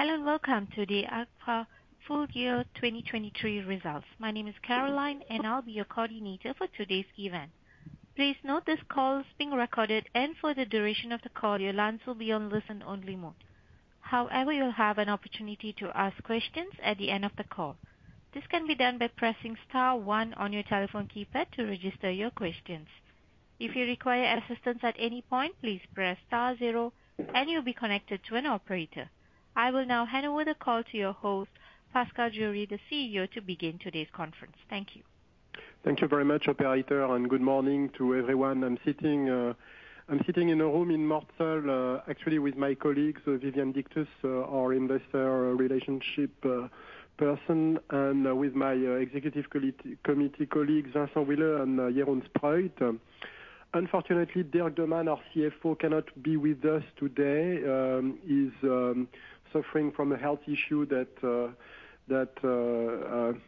Hello and welcome to the Agfa full year 2023 results. My name is Caroline, and I'll be your coordinator for today's event. Please note this call is being recorded, and for the duration of the call, your lines will be on listen-only mode. However, you'll have an opportunity to ask questions at the end of the call. This can be done by pressing star one on your telephone keypad to register your questions. If you require assistance at any point, please press star zero, and you'll be connected to an operator. I will now hand over the call to your host, Pascal Juéry, the CEO, to begin today's conference. Thank you. Thank you very much, operator, and good morning to everyone. I'm sitting in a room in Mortsel, actually with my colleagues, Viviane Dictus, our Investor Relations person, and with my executive committee colleagues, Vincent Wille and Jeroen Spruit. Unfortunately, Dirk De Man, our CFO, cannot be with us today. He's suffering from a health issue that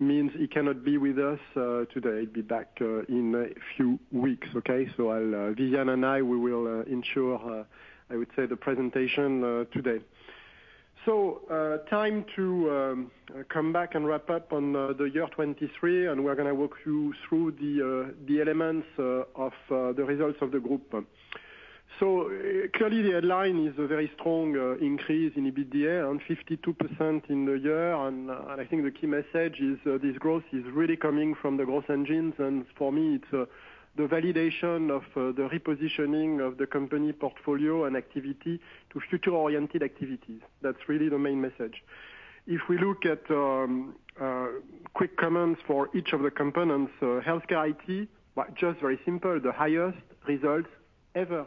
means he cannot be with us today. He'll be back in a few weeks, okay? So Viviane and I, we will ensure, I would say, the presentation today. So time to come back and wrap up on the year 2023, and we're going to walk you through the elements of the results of the group. So clearly, the headline is a very strong increase in EBITDA, 52% in the year. And I think the key message is this growth is really coming from the growth engines. And for me, it's the validation of the repositioning of the company portfolio and activity to future-oriented activities. That's really the main message. If we look at quick comments for each of the components, HealthCare IT, just very simple, the highest results ever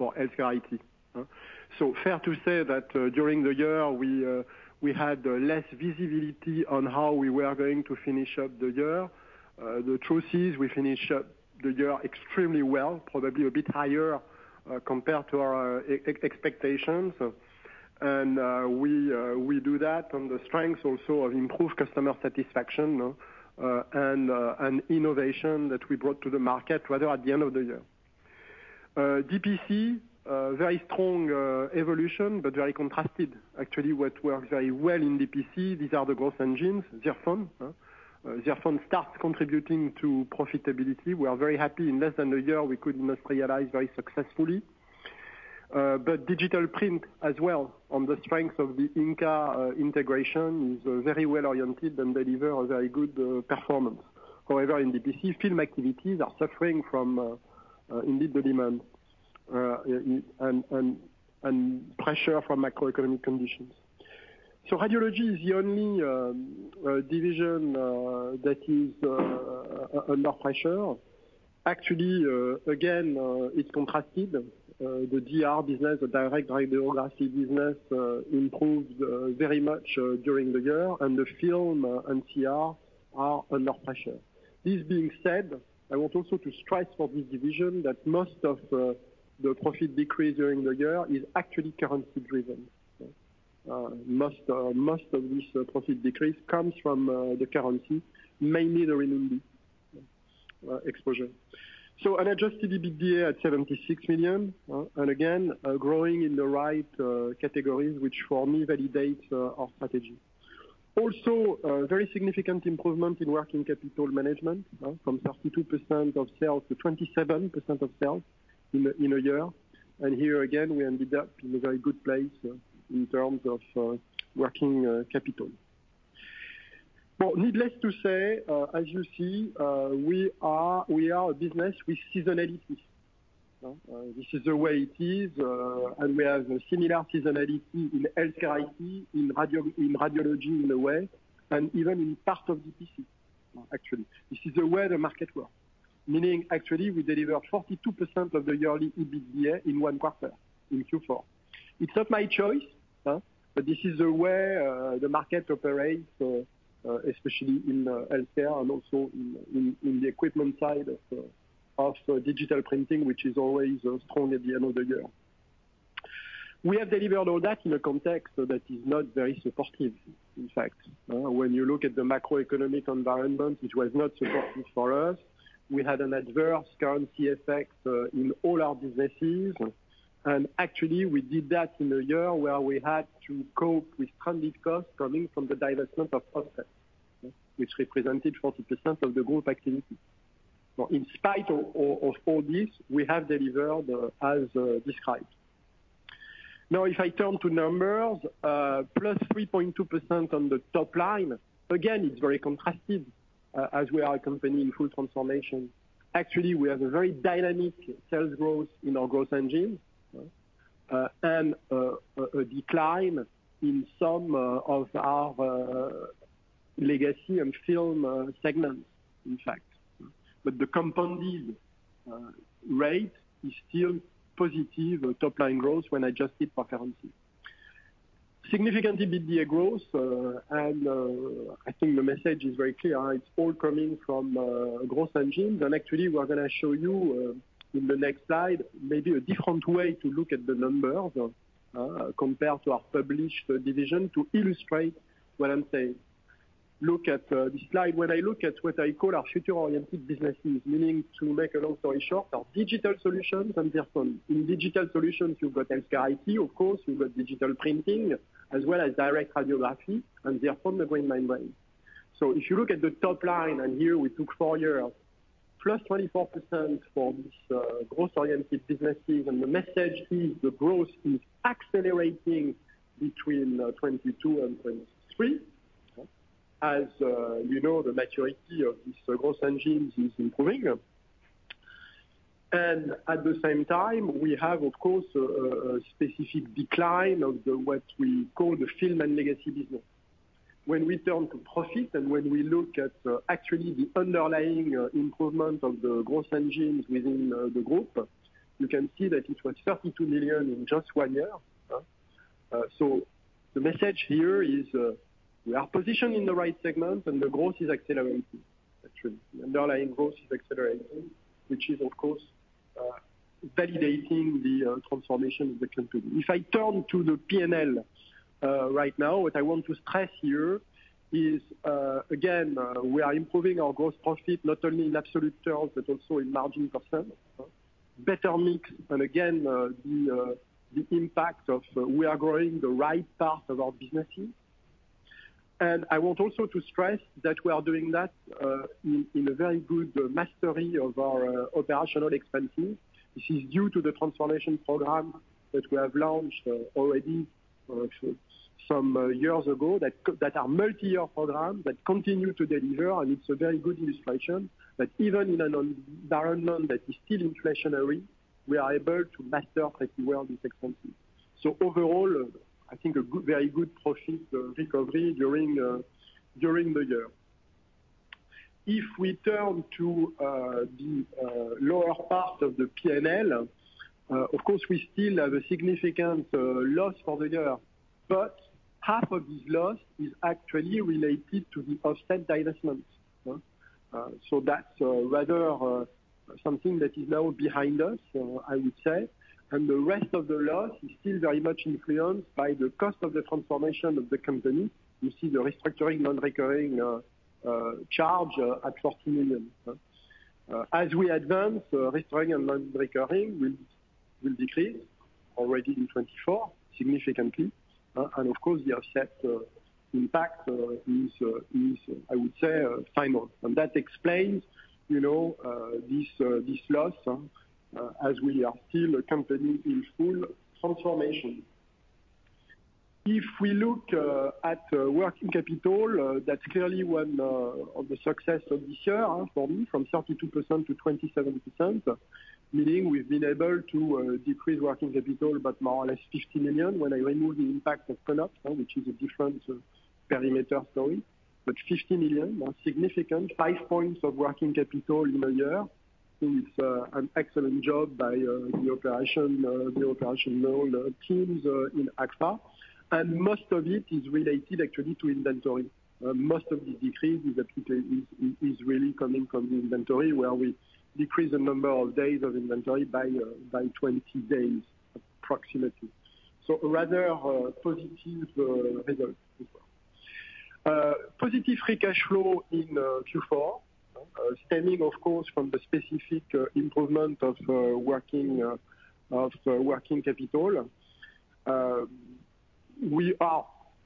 for HealthCare IT. So fair to say that during the year, we had less visibility on how we were going to finish up the year. The truth is, we finished up the year extremely well, probably a bit higher compared to our expectations. And we do that on the strengths also of improved customer satisfaction and innovation that we brought to the market rather at the end of the year. DPC, very strong evolution but very contrasted. Actually, what works very well in DPC, these are the growth engines, Zirfon. Zirfon starts contributing to profitability. We are very happy. In less than a year, we could industrialize very successfully. But digital print as well, on the strengths of the Inca integration, is very well oriented and delivers a very good performance. However, in DPC, film activities are suffering from indeed the demand and pressure from macroeconomic conditions. So Radiology is the only division that is under pressure. Actually, again, it's contrasted. The DR business, the Direct Radiography business, improved very much during the year, and the film and CR are under pressure. This being said, I want also to stress for this division that most of the profit decrease during the year is actually currency-driven. Most of this profit decrease comes from the currency, mainly the RMB exposure. So an adjusted EBITDA at 76 million, and again, growing in the right categories, which for me validates our strategy. Also, very significant improvement in working capital management from 32% of sales to 27% of sales in a year. And here again, we ended up in a very good place in terms of working capital. Well, needless to say, as you see, we are a business with seasonality. This is the way it is. And we have similar seasonality in HealthCare IT, in Radiology in a way, and even in part of DPC, actually. This is the way the market works, meaning actually, we deliver 42% of the yearly EBITDA in one quarter in Q4. It's not my choice, but this is the way the market operates, especially in HealthCare and also in the equipment side of Digital Printing, which is always strong at the end of the year. We have delivered all that in a context that is not very supportive, in fact. When you look at the macroeconomic environment, it was not supportive for us. We had an adverse currency effect in all our businesses. And actually, we did that in a year where we had to cope with stranded costs coming from the divestment of Offset, which represented 40% of the group activity. In spite of all this, we have delivered as described. Now, if I turn to numbers, +3.2% on the top line, again, it's very contrasted as we are a company in full transformation. Actually, we have a very dynamic sales growth in our growth engine and a decline in some of our legacy and film segments, in fact. But the compounded rate is still positive top-line growth when adjusted for currency. Significant EBITDA growth. And I think the message is very clear. It's all coming from growth engines. Actually, we're going to show you in the next slide maybe a different way to look at the numbers compared to our published division to illustrate what I'm saying. Look at this slide. When I look at what I call our future-oriented businesses, meaning to make a long story short, our Digital Solutions and Zirfon. In Digital Solutions, you've got HealthCare IT, of course. You've got Digital Printing as well as Direct Radiography and Zirfon, the green membrane. So if you look at the top line, and here we took four years, +24% for these growth-oriented businesses. And the message is the growth is accelerating between 2022 and 2023. As you know, the maturity of these growth engines is improving. And at the same time, we have, of course, a specific decline of what we call the film and legacy business. When we turn to profit and when we look at actually the underlying improvement of the growth engines within the group, you can see that it was 32 million in just one year. So the message here is we are positioned in the right segment, and the growth is accelerating, actually. The underlying growth is accelerating, which is, of course, validating the transformation of the company. If I turn to the P&L right now, what I want to stress here is, again, we are improving our gross profit not only in absolute terms but also in margin percent, better mix, and again, the impact of we are growing the right part of our businesses. I want also to stress that we are doing that in a very good mastery of our operational expenses. This is due to the transformation program that we have launched already some years ago that are multi-year programs that continue to deliver. It's a very good illustration that even in an environment that is still inflationary, we are able to master pretty well these expenses. Overall, I think a very good profit recovery during the year. If we turn to the lower part of the P&L, of course, we still have a significant loss for the year. Half of this loss is actually related to the Offset divestment. That's rather something that is now behind us, I would say. The rest of the loss is still very much influenced by the cost of the transformation of the company. You see the restructuring non-recurring charge at 14 million. As we advance, restructuring and non-recurring will decrease already in 2024 significantly. Of course, the Offset impact is, I would say, final. That explains this loss as we are still a company in full transformation. If we look at working capital, that's clearly one of the successes of this year for me from 32%-27%, meaning we've been able to decrease working capital but more or less 50 million when I remove the impact of cutoff, which is a different perimeter story. But 50 million, significant, five points of working capital in a year. I think it's an excellent job by the operational teams in Agfa. And most of it is related, actually, to inventory. Most of this decrease is really coming from the inventory where we decrease the number of days of inventory by 20 days approximately. Rather positive results as well. Positive free cash flow in Q4, stemming, of course, from the specific improvement of working capital.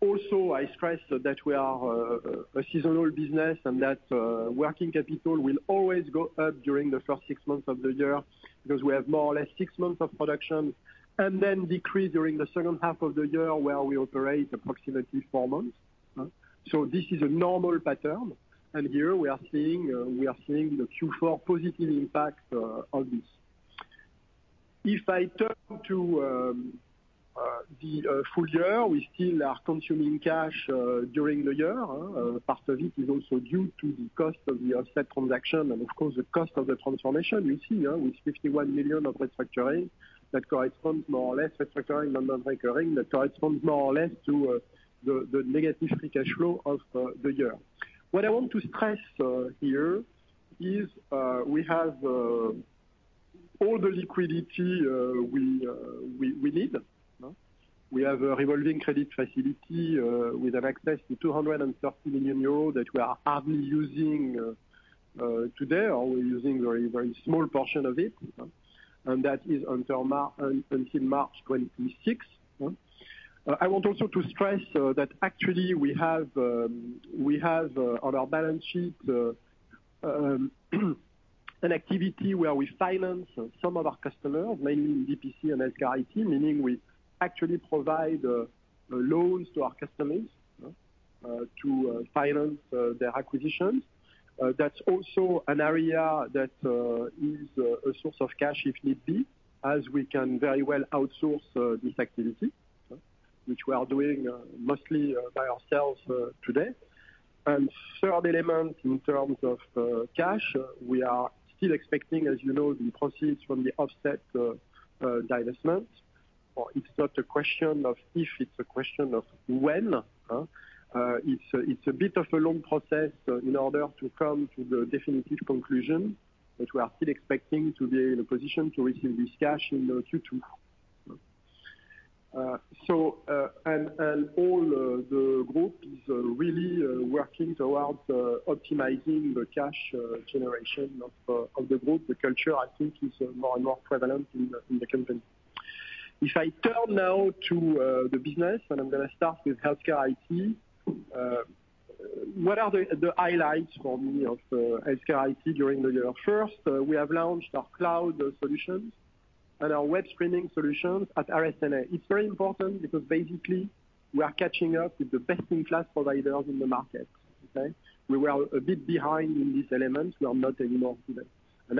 Also, I stress that we are a seasonal business and that working capital will always go up during the first six months of the year because we have more or less six months of production and then decrease during the second half of the year where we operate approximately four months. So this is a normal pattern. And here we are seeing the Q4 positive impact of this. If I turn to the full year, we still are consuming cash during the year. Part of it is also due to the cost of the Offset transaction. And of course, the cost of the transformation, you see, with 51 million of restructuring that corresponds more or less restructuring than non-recurring, that corresponds more or less to the negative free cash flow of the year. What I want to stress here is we have all the liquidity we need. We have a revolving credit facility with access to 230 million euros that we are hardly using today. We're using a very, very small portion of it. That is until March 2026. I want also to stress that actually, we have on our balance sheet an activity where we finance some of our customers, mainly in DPC and HealthCare IT, meaning we actually provide loans to our customers to finance their acquisitions. That's also an area that is a source of cash, if need be, as we can very well outsource this activity, which we are doing mostly by ourselves today. Third element in terms of cash, we are still expecting, as you know, the proceeds from the Offset divestment. It's not a question of if. It's a question of when. It's a bit of a long process in order to come to the definitive conclusion, but we are still expecting to be in a position to receive this cash in Q2. All the group is really working towards optimizing the cash generation of the group. The culture, I think, is more and more prevalent in the company. If I turn now to the business, and I'm going to start with HealthCare IT, what are the highlights for me of HealthCare IT during the year? First, we have launched our cloud solutions and our web streaming solutions at RSNA. It's very important because basically, we are catching up with the best-in-class providers in the market. Okay? We were a bit behind in this element. We are not anymore today.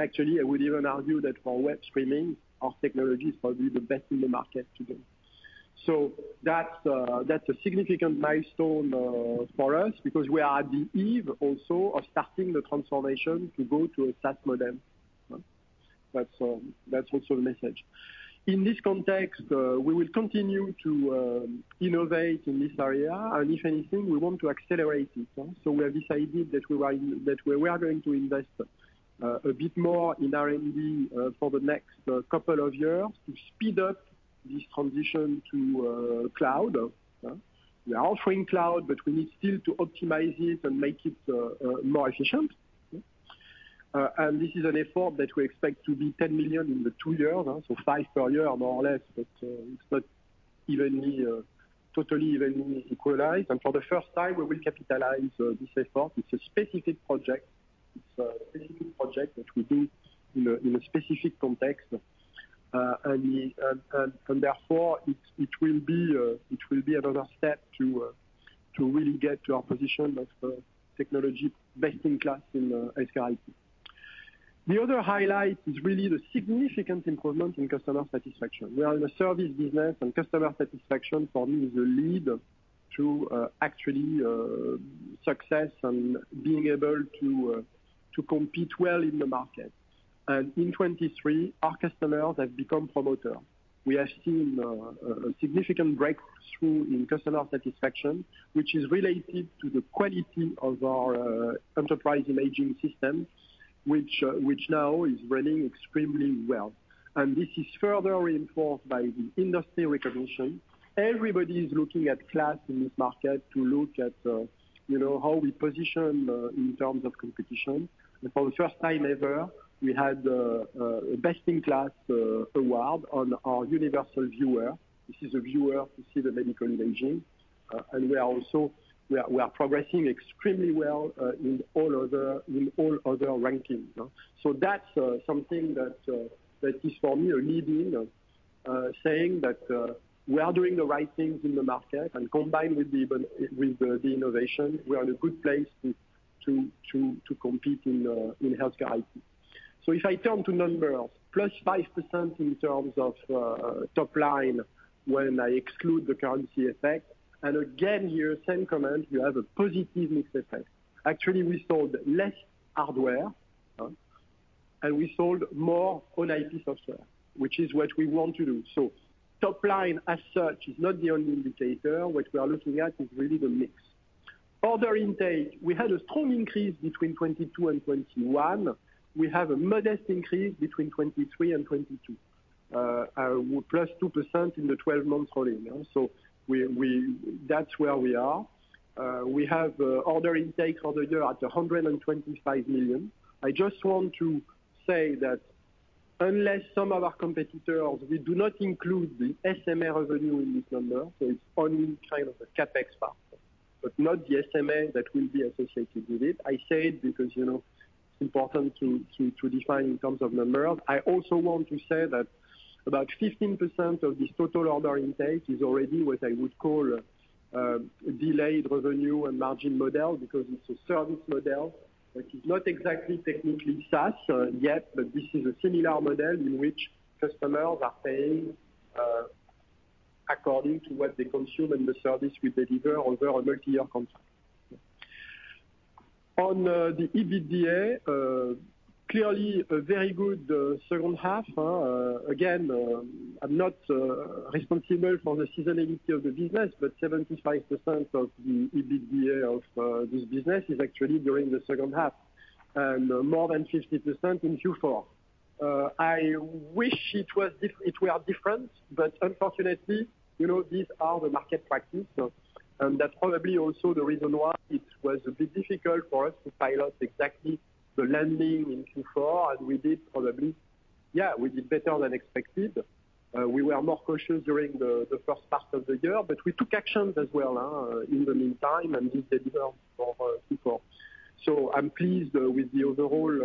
Actually, I would even argue that for web streaming, our technology is probably the best in the market today. So that's a significant milestone for us because we are at the eve also of starting the transformation to go to a SaaS model. That's also the message. In this context, we will continue to innovate in this area. And if anything, we want to accelerate it. So we have decided that we were going to invest a bit more in R&D for the next couple of years to speed up this transition to cloud. We are offering cloud, but we need still to optimize it and make it more efficient. And this is an effort that we expect to be 10 million in the two years, so 5 million per year, more or less. But it's not totally evenly equalized. And for the first time, we will capitalize this effort. It's a specific project. It's a specific project that we do in a specific context. Therefore, it will be another step to really get to our position of technology best-in-class in HealthCare IT. The other highlight is really the significant improvement in customer satisfaction. We are in a service business, and customer satisfaction for me is the lead to actually success and being able to compete well in the market. In 2023, our customers have become promoters. We have seen a significant breakthrough in customer satisfaction, which is related to the quality of our Enterprise Imaging system, which now is running extremely well. This is further reinforced by the industry recognition. Everybody is looking at KLAS in this market to look at how we position in terms of competition. For the first time ever, we had a best-in-class award on our Universal Viewer. This is a viewer to see the medical imaging. And we are progressing extremely well in all other rankings. So that's something that is for me a leading saying that we are doing the right things in the market. And combined with the innovation, we are in a good place to compete in HealthCare IT. So if I turn to numbers, +5% in terms of top line when I exclude the currency effect. And again, here, same comment. You have a positive mix effect. Actually, we sold less hardware, and we sold more on IP software, which is what we want to do. So top line as such is not the only indicator. What we are looking at is really the mix. Order intake, we had a strong increase between 2022 and 2021. We have a modest increase between 2023 and 2022, +2% in the 12-month rolling. So that's where we are. We have order intake for the year at 125 million. I just want to say that unless some of our competitors, we do not include the SMA revenue in this number, so it's only kind of a CapEx part, but not the SMA that will be associated with it. I say it because it's important to define in terms of numbers. I also want to say that about 15% of this total order intake is already what I would call delayed revenue and margin model because it's a service model that is not exactly technically SaaS yet, but this is a similar model in which customers are paying according to what they consume and the service we deliver over a multi-year contract. On the EBITDA, clearly, a very good second half. Again, I'm not responsible for the seasonality of the business, but 75% of the EBITDA of this business is actually during the second half and more than 50% in Q4. I wish it were different, but unfortunately, these are the market practices. And that's probably also the reason why it was a bit difficult for us to pilot exactly the landing in Q4. And we did probably yeah, we did better than expected. We were more cautious during the first part of the year, but we took actions as well in the meantime and did deliver for Q4. So I'm pleased with the overall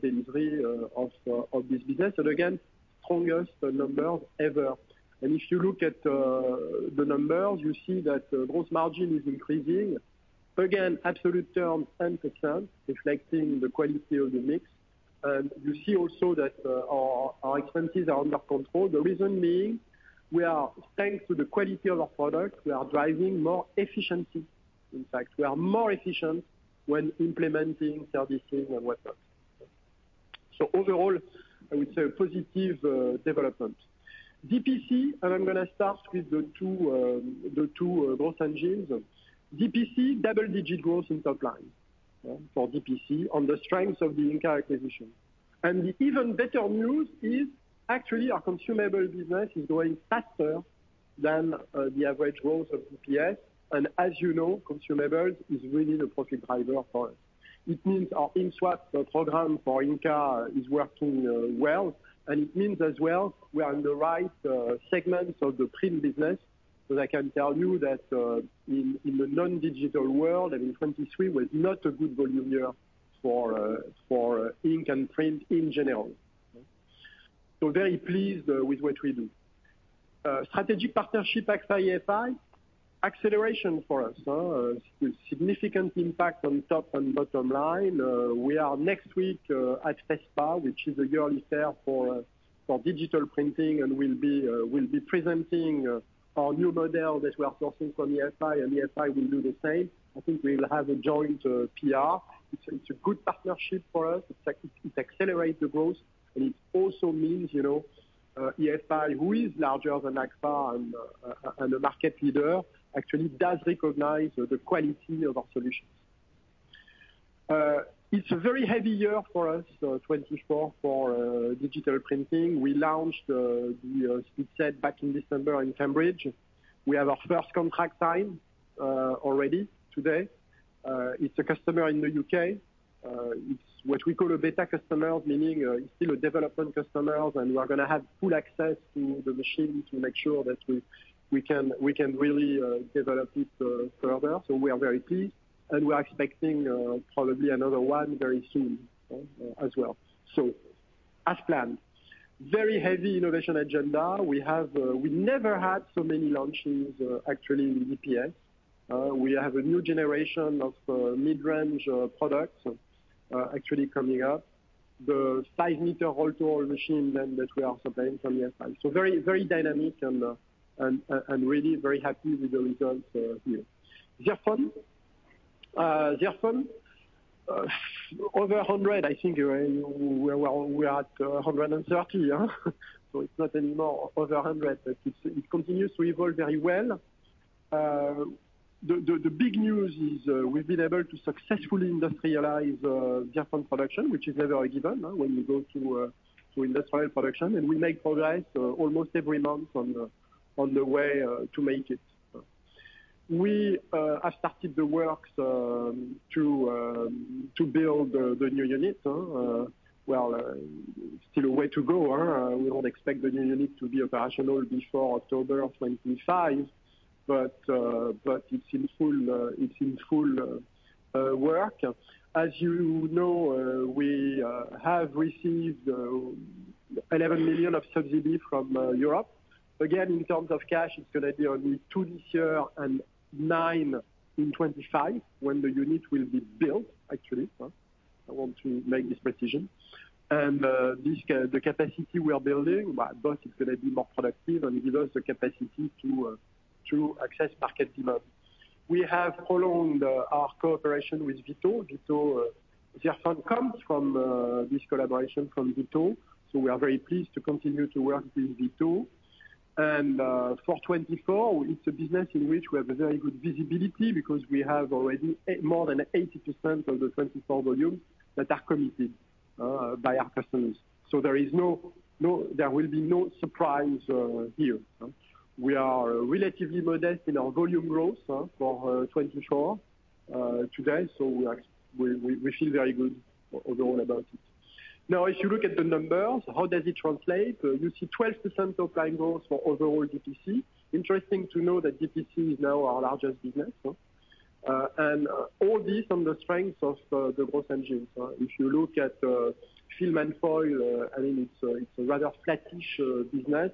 delivery of this business. And again, strongest numbers ever. And if you look at the numbers, you see that gross margin is increasing. Again, absolute terms, 10% reflecting the quality of the mix. You see also that our expenses are under control, the reason being we are, thanks to the quality of our product, driving more efficiency. In fact, we are more efficient when implementing, servicing, and whatnot. So overall, I would say a positive development. DPC, and I'm going to start with the two growth engines. DPC, double-digit growth in top line for DPC on the strengths of the Inca acquisition. And the even better news is actually, our consumable business is growing faster than the average growth of DPS. And as you know, consumables is really the profit driver for us. It means our ink swap program for Inca is working well. And it means as well we are in the right segments of the print business. So I can tell you that in the non-digital world, I mean, 2023 was not a good volume year for ink and print in general. So very pleased with what we do. Strategic partnership EFI, acceleration for us, significant impact on top and bottom line. We are next week at FESPA, which is the yearly fair for Digital Printing, and we'll be presenting our new model that we are sourcing from EFI. And EFI will do the same. I think we will have a joint PR. It's a good partnership for us. It accelerates the growth. And it also means EFI, who is larger than Agfa and a market leader, actually does recognize the quality of our solutions. It's a very heavy year for us, 2024, for Digital Printing. We launched the SpeedSet back in December in Cambridge. We have our first contract signed already today. It's a customer in the U.K. It's what we call a beta customer, meaning it's still a development customer. And we are going to have full access to the machine to make sure that we can really develop it further. So we are very pleased. And we are expecting probably another one very soon as well. So as planned, very heavy innovation agenda. We never had so many launches, actually, in DPS. We have a new generation of mid-range products actually coming up, the 5-meter all-to-all machine then that we are supplying from EFI. So very, very dynamic and really very happy with the results here. Zirfon. Over 100, I think. We are at 130. So it's not anymore over 100, but it continues to evolve very well. The big news is we've been able to successfully industrialize Zirfon production, which is never a given when you go to industrial production. We make progress almost every month on the way to make it. We have started the works to build the new unit. Well, still a way to go. We don't expect the new unit to be operational before October 2025, but it's in full work. As you know, we have received 11 million of subsidy from Europe. Again, in terms of cash, it's going to be only 2 million this year and 9 million in 2025 when the unit will be built, actually. I want to make this precision. The capacity we are building, both it's going to be more productive and give us the capacity to access market demand. We have prolonged our cooperation with VITO. VITO Zirfon comes from this collaboration from VITO. So we are very pleased to continue to work with VITO. And for 2024, it's a business in which we have a very good visibility because we have already more than 80% of the 2024 volume that are committed by our customers. So there will be no surprise here. We are relatively modest in our volume growth for 2024 today. So we feel very good overall about it. Now, if you look at the numbers, how does it translate? You see 12% top line growth for overall DPC. Interesting to know that DPC is now our largest business. And all this on the strengths of the growth engines. If you look at film and foil, I mean, it's a rather flat-ish business.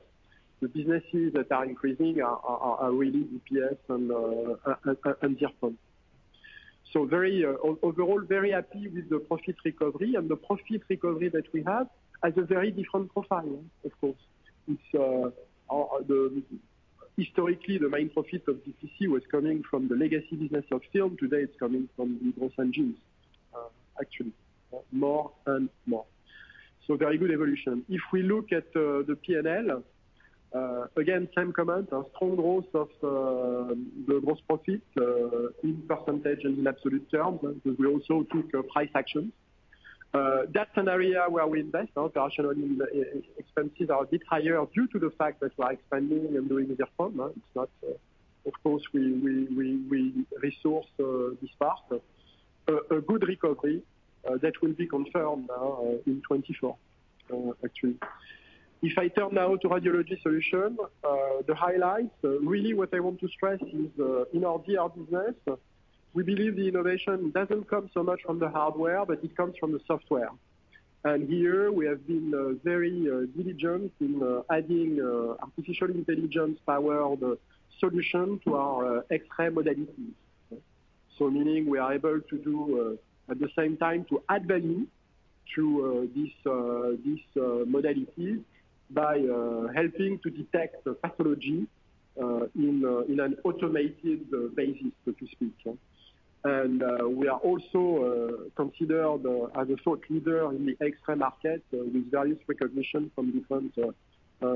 The businesses that are increasing are really DPS and Zirfon. So overall, very happy with the profit recovery. The profit recovery that we have has a very different profile, of course. Historically, the main profit of DPC was coming from the legacy business of film. Today, it's coming from the growth engines, actually, more and more. So very good evolution. If we look at the P&L, again, same comment, strong growth of the gross profit in percentage and in absolute terms because we also took price actions. That's an area where we invest. Operational expenses are a bit higher due to the fact that we are expanding and doing Zirfon. Of course, we resource this part. A good recovery that will be confirmed in 2024, actually. If I turn now to Radiology Solutions, the highlights, really, what I want to stress is in our DR business, we believe the innovation doesn't come so much from the hardware, but it comes from the software. And here, we have been very diligent in adding artificial intelligence-powered solution to our X-ray modalities, so meaning we are able to do at the same time to add value to these modalities by helping to detect pathology in an automated basis, so to speak. And we are also considered as a thought leader in the X-ray market with various recognition from different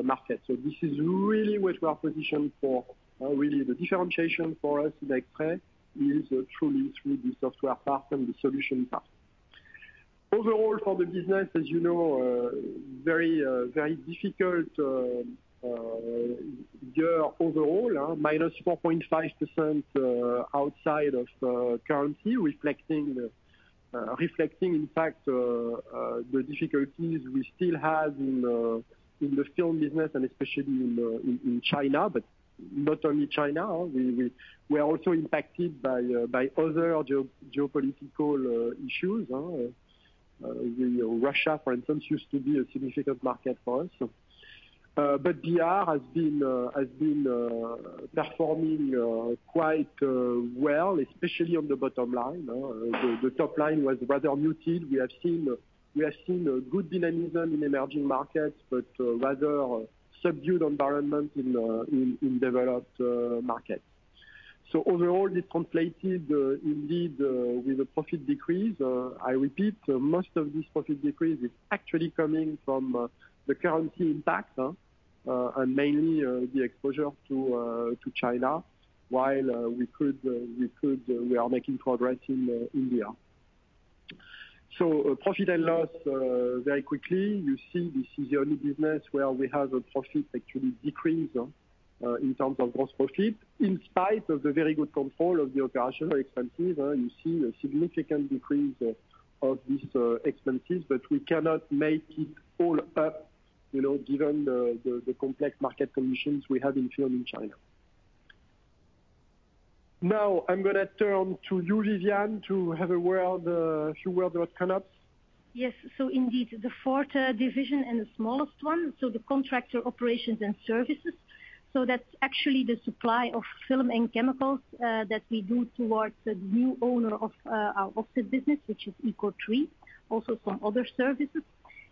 markets. So this is really what we are positioned for. Really, the differentiation for us in X-ray is truly through the software part and the solution part. Overall, for the business, as you know, very difficult year overall, -4.5% outside of currency, reflecting, in fact, the difficulties we still have in the film business and especially in China. But not only China. We are also impacted by other geopolitical issues. Russia, for instance, used to be a significant market for us. But DR has been performing quite well, especially on the bottom line. The top line was rather muted. We have seen good dynamism in emerging markets, but rather subdued environment in developed markets. So overall, this translated indeed with a profit decrease. I repeat, most of this profit decrease is actually coming from the currency impact and mainly the exposure to China, while we are making progress in India. So profit and loss very quickly. You see this is the only business where we have a profit actually decrease in terms of gross profit. In spite of the very good control of the operational expenses, you see a significant decrease of these expenses, but we cannot make it all up given the complex market conditions we have in film in China. Now, I'm going to turn to you, Viviane, to have a few words about CONOPS. Yes. So indeed, the fourth division and the smallest one, so the Contractor Operations and Services. So that's actually the supply of film and chemicals that we do towards the new owner of our Offset business, which is ECO3, also some other services.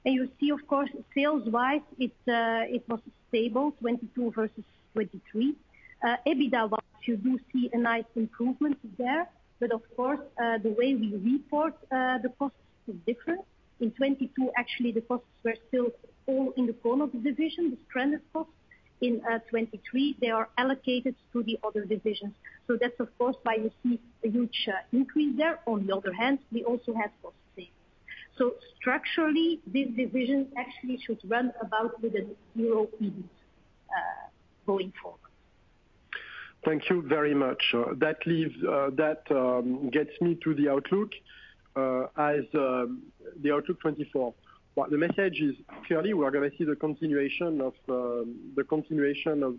And you see, of course, sales-wise, it was stable, 2022 versus 2023. EBITDA-wise, you do see a nice improvement there. But of course, the way we report the costs is different. In 2022, actually, the costs were still all in the CONOPS division, the stranded costs. In 2023, they are allocated to the other divisions. So that's, of course, why you see a huge increase there. On the other hand, we also have cost savings. So structurally, this division actually should run about with a zero EBIT going forward. Thank you very much. That gets me to the Outlook, the outlook for 2024. Well, the message is clearly, we are going to see the continuation of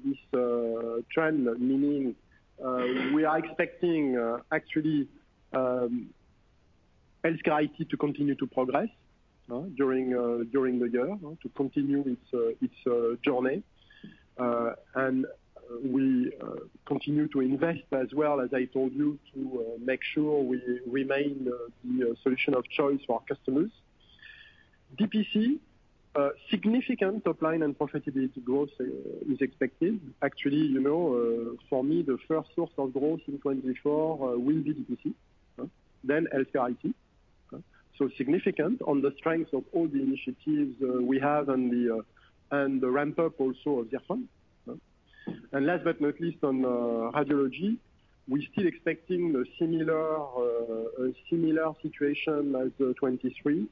this trend, meaning we are expecting, actually, HCIT to continue to progress during the year, to continue its journey. We continue to invest as well, as I told you, to make sure we remain the solution of choice for our customers. DPC, significant top line and profitability growth is expected. Actually, for me, the first source of growth in 2024 will be DPC, then HCIT. Significant on the strengths of all the initiatives we have and the ramp-up also of Zirfon. And last but not least, on Radiology, we're still expecting a similar situation as 2023.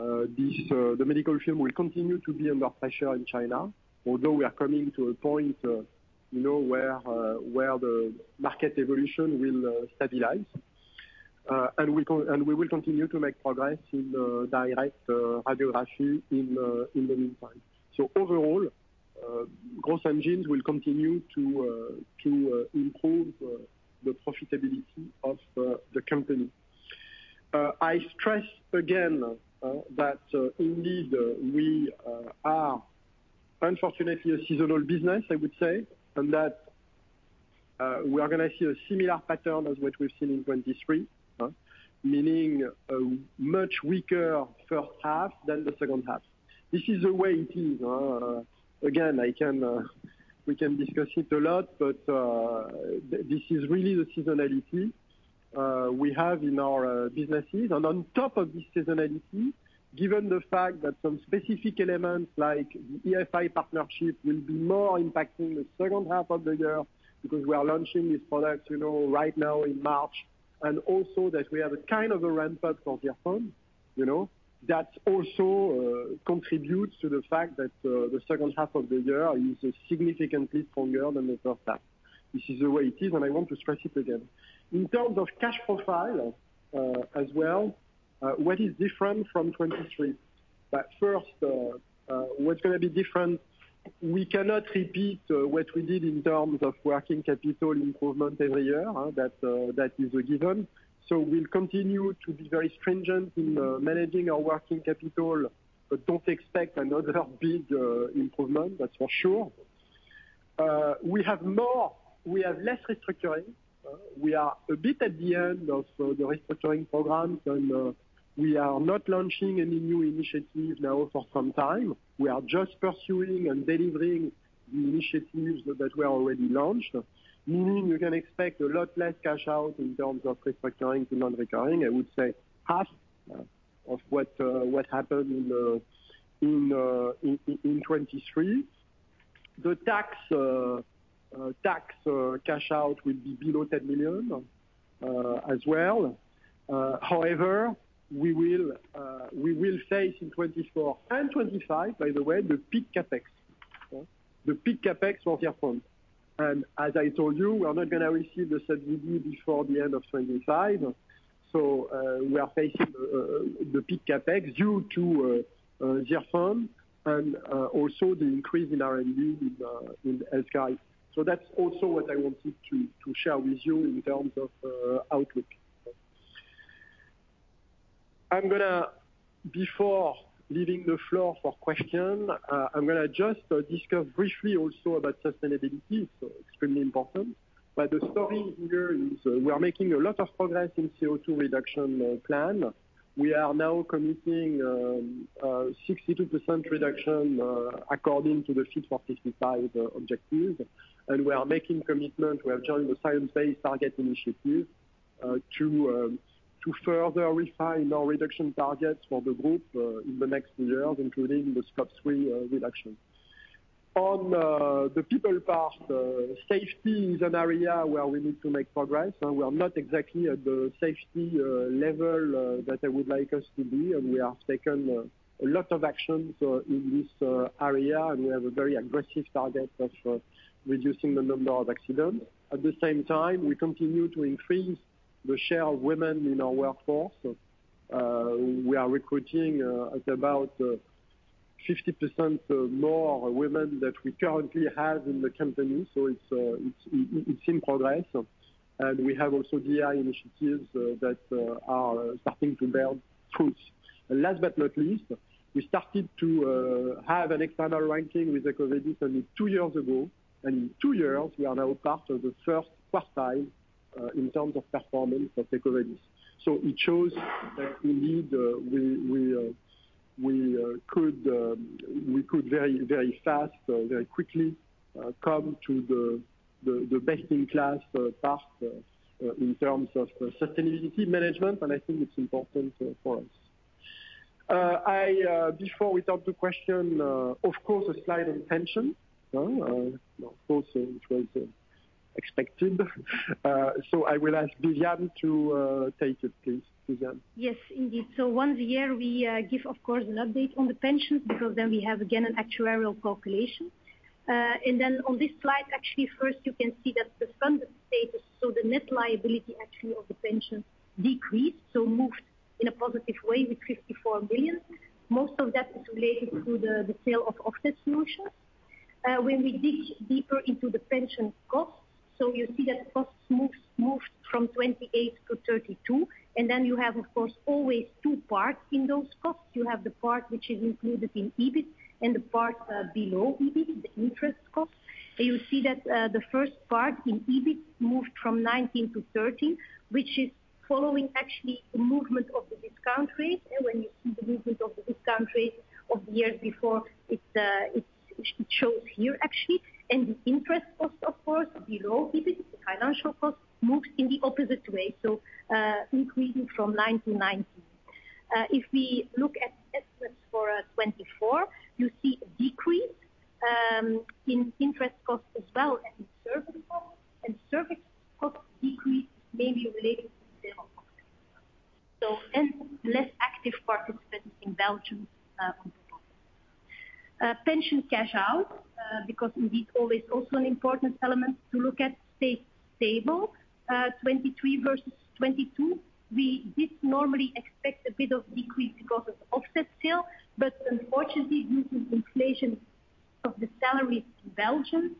The medical film will continue to be under pressure in China, although we are coming to a point where the market evolution will stabilize. We will continue to make progress in Direct Radiography in the meantime. Overall, gross margins will continue to improve the profitability of the company. I stress again that indeed, we are, unfortunately, a seasonal business, I would say, and that we are going to see a similar pattern as what we've seen in 2023, meaning a much weaker first half than the second half. This is the way it is. Again, we can discuss it a lot, but this is really the seasonality we have in our businesses. And on top of this seasonality, given the fact that some specific elements like the EFI partnership will be more impacting the second half of the year because we are launching these products right now in March, and also that we have a kind of a ramp-up for Zirfon, that also contributes to the fact that the second half of the year is significantly stronger than the first half. This is the way it is. And I want to stress it again. In terms of cash profile as well, what is different from 2023? First, what's going to be different? We cannot repeat what we did in terms of working capital improvement every year. That is a given. So we'll continue to be very stringent in managing our working capital, but don't expect another big improvement. That's for sure. We have less restructuring. We are a bit at the end of the restructuring program, and we are not launching any new initiatives now for some time. We are just pursuing and delivering the initiatives that were already launched, meaning you can expect a lot less cash out in terms of restructuring to non-recurring, I would say, half of what happened in 2023. The tax cash out will be below 10 million as well. However, we will face in 2024 and 2025, by the way, the peak CapEx, the peak CapEx for Zirfon. And as I told you, we are not going to receive the subsidy before the end of 2025. So we are facing the peak CapEx due to Zirfon and also the increase in R&D in HealthCare IT. So that's also what I wanted to share with you in terms of outlook. Before leaving the floor for questions, I'm going to just discuss briefly also about sustainability. It's extremely important. But the story here is we're making a lot of progress in CO2 reduction plan. We are now committing 62% reduction according to the Fit for 55 objectives. We are making commitment. We have joined the Science Based Targets initiative to further refine our reduction targets for the group in the next two years, including the Scope 3 reduction. On the people part, safety is an area where we need to make progress. We are not exactly at the safety level that I would like us to be. We have taken a lot of actions in this area, and we have a very aggressive target of reducing the number of accidents. At the same time, we continue to increase the share of women in our workforce. We are recruiting at about 50% more women than we currently have in the company. It's in progress. We have also DR initiatives that are starting to bear fruit. Last but not least, we started to have an external ranking with EcoVadis only two years ago. In two years, we are now part of the first quartile in terms of performance of EcoVadis. It shows that indeed, we could very fast, very quickly come to the best-in-class part in terms of sustainability management. I think it's important for us. Before we talk to questions, of course, a slide on pensions. Of course, it was expected. I will ask Viviane to take it, please. Viviane. Yes, indeed. So once a year, we give, of course, an update on the pensions because then we have, again, an actuarial calculation. And then on this slide, actually, first, you can see that the fund status, so the net liability actually of the pension, decreased, so moved in a positive way with 54 million. Most of that is related to the sale of Offset Solutions. When we dig deeper into the pension costs, so you see that costs moved from 28 million to 32 million. And then you have, of course, always two parts in those costs. You have the part which is included in EBIT and the part below EBIT, the interest cost. And you see that the first part in EBIT moved from 19 million to 13 million, which is following actually the movement of the discount rate. When you see the movement of the discount rate of the years before, it shows here, actually. The interest cost, of course, below EBIT, the financial cost, moved in the opposite way, so increasing from 9 to 19. If we look at estimates for 2024, you see a decrease in interest costs as well and in service costs. Service costs decreased, maybe related to sale of Offsets. Less active participants in Belgium on the bottom. Pension cash out, because indeed, always also an important element to look at, stays stable. 2023 versus 2022, we did normally expect a bit of decrease because of the Offset sale. But unfortunately, due to inflation of the salaries in Belgium,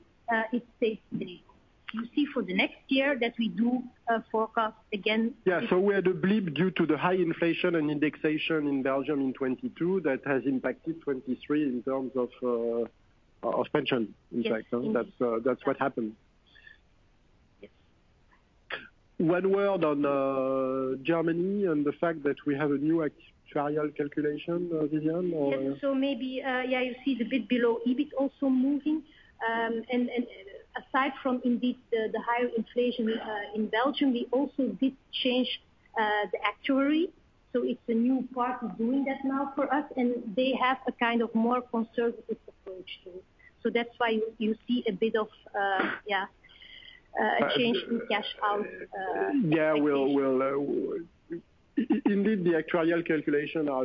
it stays stable. You see for the next year that we do forecast, again. Yeah. So we had a blip due to the high inflation and indexation in Belgium in 2022 that has impacted 2023 in terms of pension impact. That's what happened. One word on Germany and the fact that we have a new actuarial calculation, Viviane, or? Yes. So maybe, yeah, you see the bit below EBIT also moving. And aside from indeed the higher inflation in Belgium, we also did change the actuary. So it's a new party doing that now for us. And they have a kind of more conservative approach to it. So that's why you see a bit of, yeah, a change in cash out. Yeah. Indeed, the actuarial calculations are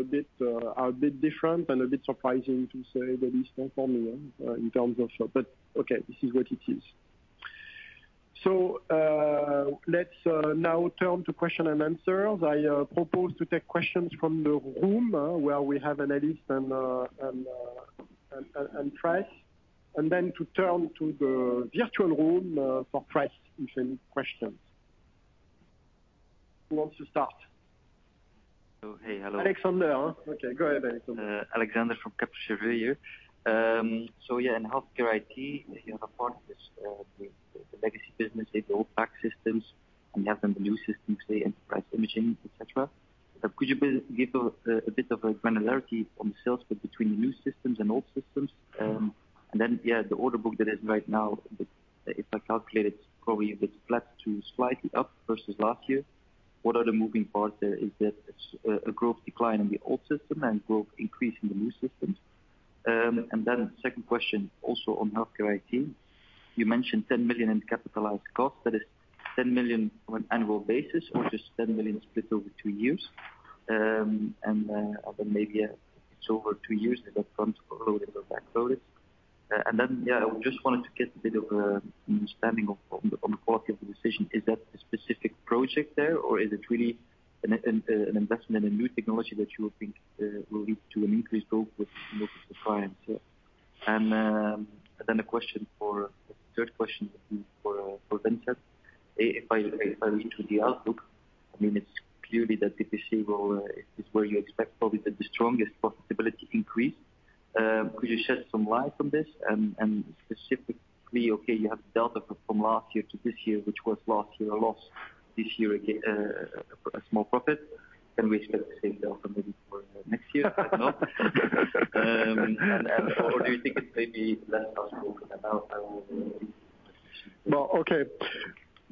a bit different and a bit surprising. To say that it's not for me in terms of but okay, this is what it is. Let's now turn to question and answers. I propose to take questions from the room where we have analysts and press, and then to turn to the virtual room for press, if any questions. Who wants to start? Hey. Hello. Alexander. Okay. Go ahead, Alexander. Alexander from Kepler Cheuvreux here. So yeah, in HealthCare IT, you have a part of the legacy business, the old PACS, and you have then the new systems, say, Enterprise Imaging, etc. Could you give a bit of granularity on the sales split between the new systems and old systems? And then, yeah, the order book that is right now, if I calculate it, it's probably a bit flat to slightly up versus last year. What are the moving parts there? Is there a growth decline in the old system and growth increase in the new systems? And then second question, also on HealthCare IT, you mentioned 10 million in capitalized costs. That is 10 million on an annual basis or just 10 million split over two years? And then maybe it's over two years that that fund's forwarded or backloaded. Yeah, I just wanted to get a bit of an understanding on the quality of the division. Is that a specific project there, or is it really an investment in a new technology that you think will lead to an increased growth with multiple clients? And then the third question would be for Vincent. If I read through the outlook, I mean, it's clear that DPC is where you expect probably the strongest profitability increase. Could you shed some light on this? And specifically, okay, you have delta from last year to this year, which was last year a loss, this year a small profit. Can we expect the same delta maybe for next year? I don't know. Or do you think it's maybe less possible? Well, okay.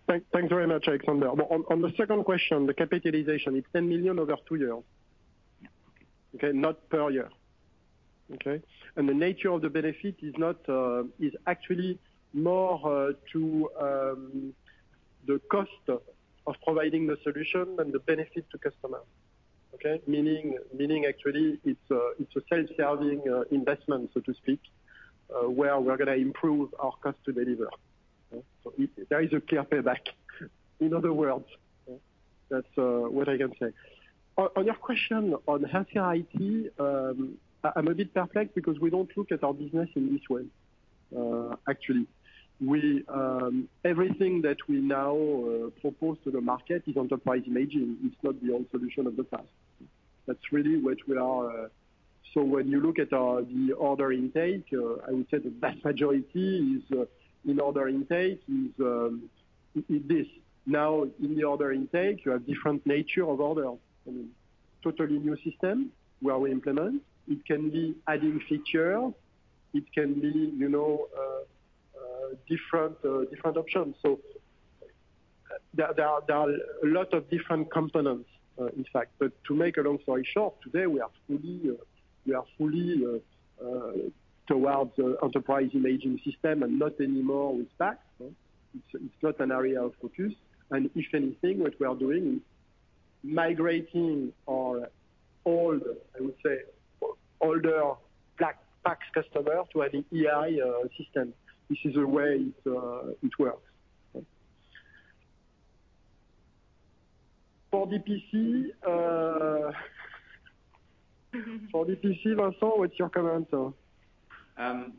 Thanks very much, Alexander. Well, on the second question, the capitalization, it's 10 million over two years, okay, not per year. Okay? And the nature of the benefit is actually more to the cost of providing the solution than the benefit to customer, okay, meaning actually, it's a self-serving investment, so to speak, where we're going to improve our cost to deliver. So there is a clear payback, in other words. That's what I can say. On your question on HealthCare IT, I'm a bit perplexed because we don't look at our business in this way, actually. Everything that we now propose to the market is Enterprise Imaging. It's not the old solution of the past. That's really what we are. So when you look at the order intake, I would say the vast majority in order intake is this. Now, in the order intake, you have different nature of orders. I mean, totally new system where we implement. It can be adding features. It can be different options. So there are a lot of different components, in fact. But to make a long story short, today, we are fully towards the Enterprise Imaging system and not anymore with PACS. It's not an area of focus. And if anything, what we are doing is migrating our old, I would say, older PACS customers to having EI systems. This is the way it works. For DPC, Vincent, what's your comment?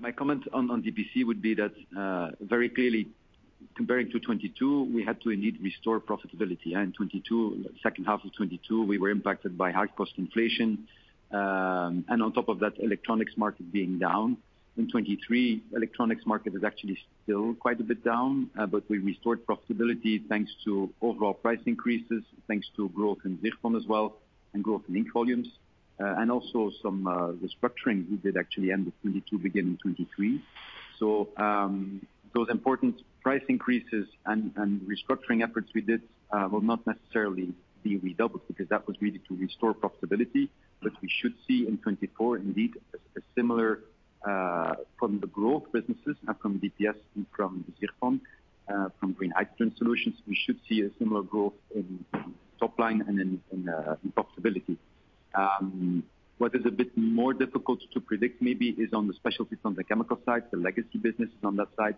My comment on DPC would be that very clearly, comparing to 2022, we had to indeed restore profitability. In the second half of 2022, we were impacted by high-cost inflation. On top of that, electronics market being down. In 2023, electronics market is actually still quite a bit down, but we restored profitability thanks to overall price increases, thanks to growth in Zirfon as well, and growth in ink volumes, and also some restructuring we did actually end in 2022, begin in 2023. So those important price increases and restructuring efforts we did will not necessarily be redoubled because that was really to restore profitability. But we should see in 2024, indeed, a similar from the growth businesses from DPS and from Zirfon, from Green Hydrogen Solutions, we should see a similar growth in topline and in profitability. What is a bit more difficult to predict, maybe, is on the specialties on the chemical side, the legacy businesses on that side.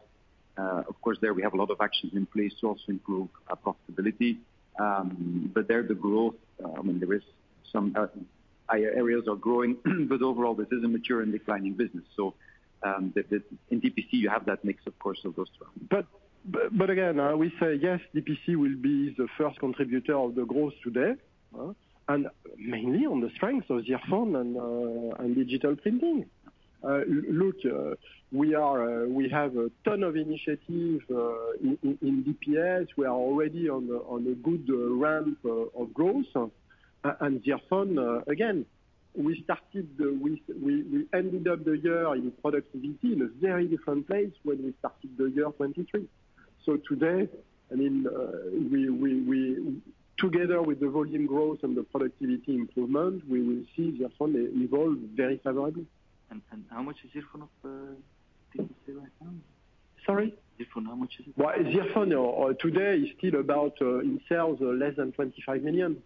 Of course, there, we have a lot of actions in place to also improve profitability. But there, the growth, I mean, there is some areas are growing. But overall, this is a mature and declining business. So in DPC, you have that mix, of course, of those two. But again, we say, yes, DPC will be the first contributor of the growth today, and mainly on the strengths of Zirfon and Digital Printing. Look, we have a ton of initiatives in DPS. We are already on a good ramp of growth. And Zirfon, again, we ended up the year in productivity in a very different place when we started the year 2023. So today, I mean, together with the volume growth and the productivity improvement, we will see Zirfon evolve very favorably. How much is Zirfon of DPC right now? Sorry? Zirfon, how much is it? Well, Zirfon today is still about, in sales, less than 25 million, okay?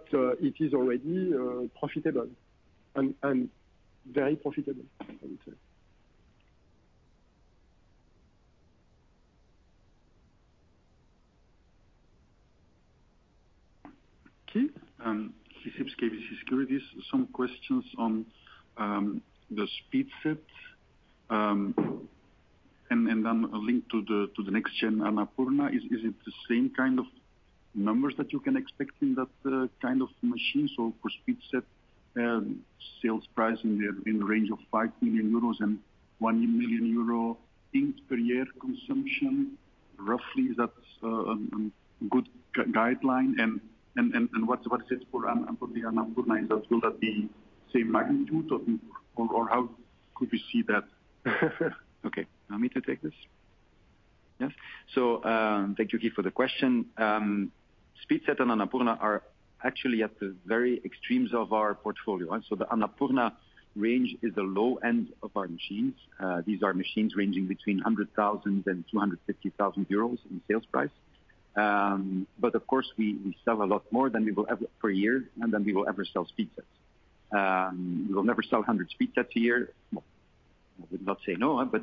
But it is already profitable and very profitable, I would say. He's KBC Securities. Some questions on the SpeedSet. And then a link to the next-gen, Anapurna. Is it the same kind of numbers that you can expect in that kind of machine? So for SpeedSet, sales price in the range of 5 million euros and 1 million euro ink per year consumption, roughly, is that a good guideline? And what is it for Anapurna? Will that be same magnitude, or how could we see that? Okay. Allow me to take this. Yes. So thank you, for the question. SpeedSet and Anapurna are actually at the very extremes of our portfolio. So the Anapurna range is the low end of our machines. These are machines ranging between 100,000-250,000 euros in sales price. But of course, we sell a lot more than we will ever per year, and then we will ever sell SpeedSets. We will never sell 100 SpeedSets a year. I would not say no, but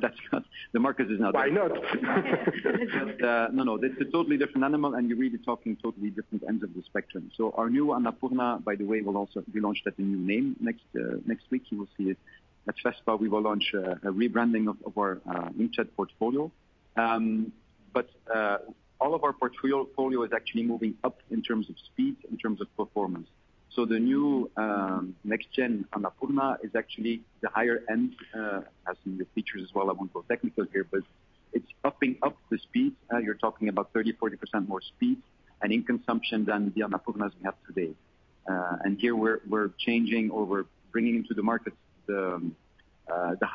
the market is not. Why not? But no, no. It's a totally different animal, and you're really talking totally different ends of the spectrum. So our new Anapurna, by the way, we launched at a new name next week. You will see it at FESPA. We will launch a rebranding of our inkjet portfolio. But all of our portfolio is actually moving up in terms of speed, in terms of performance. So the new next-gen Anapurna is actually the higher end. It has some new features as well. I won't go technical here, but it's upping up the speed. You're talking about 30%-40% more speed and ink consumption than the Anapurnas we have today. And here, we're changing or we're bringing into the market the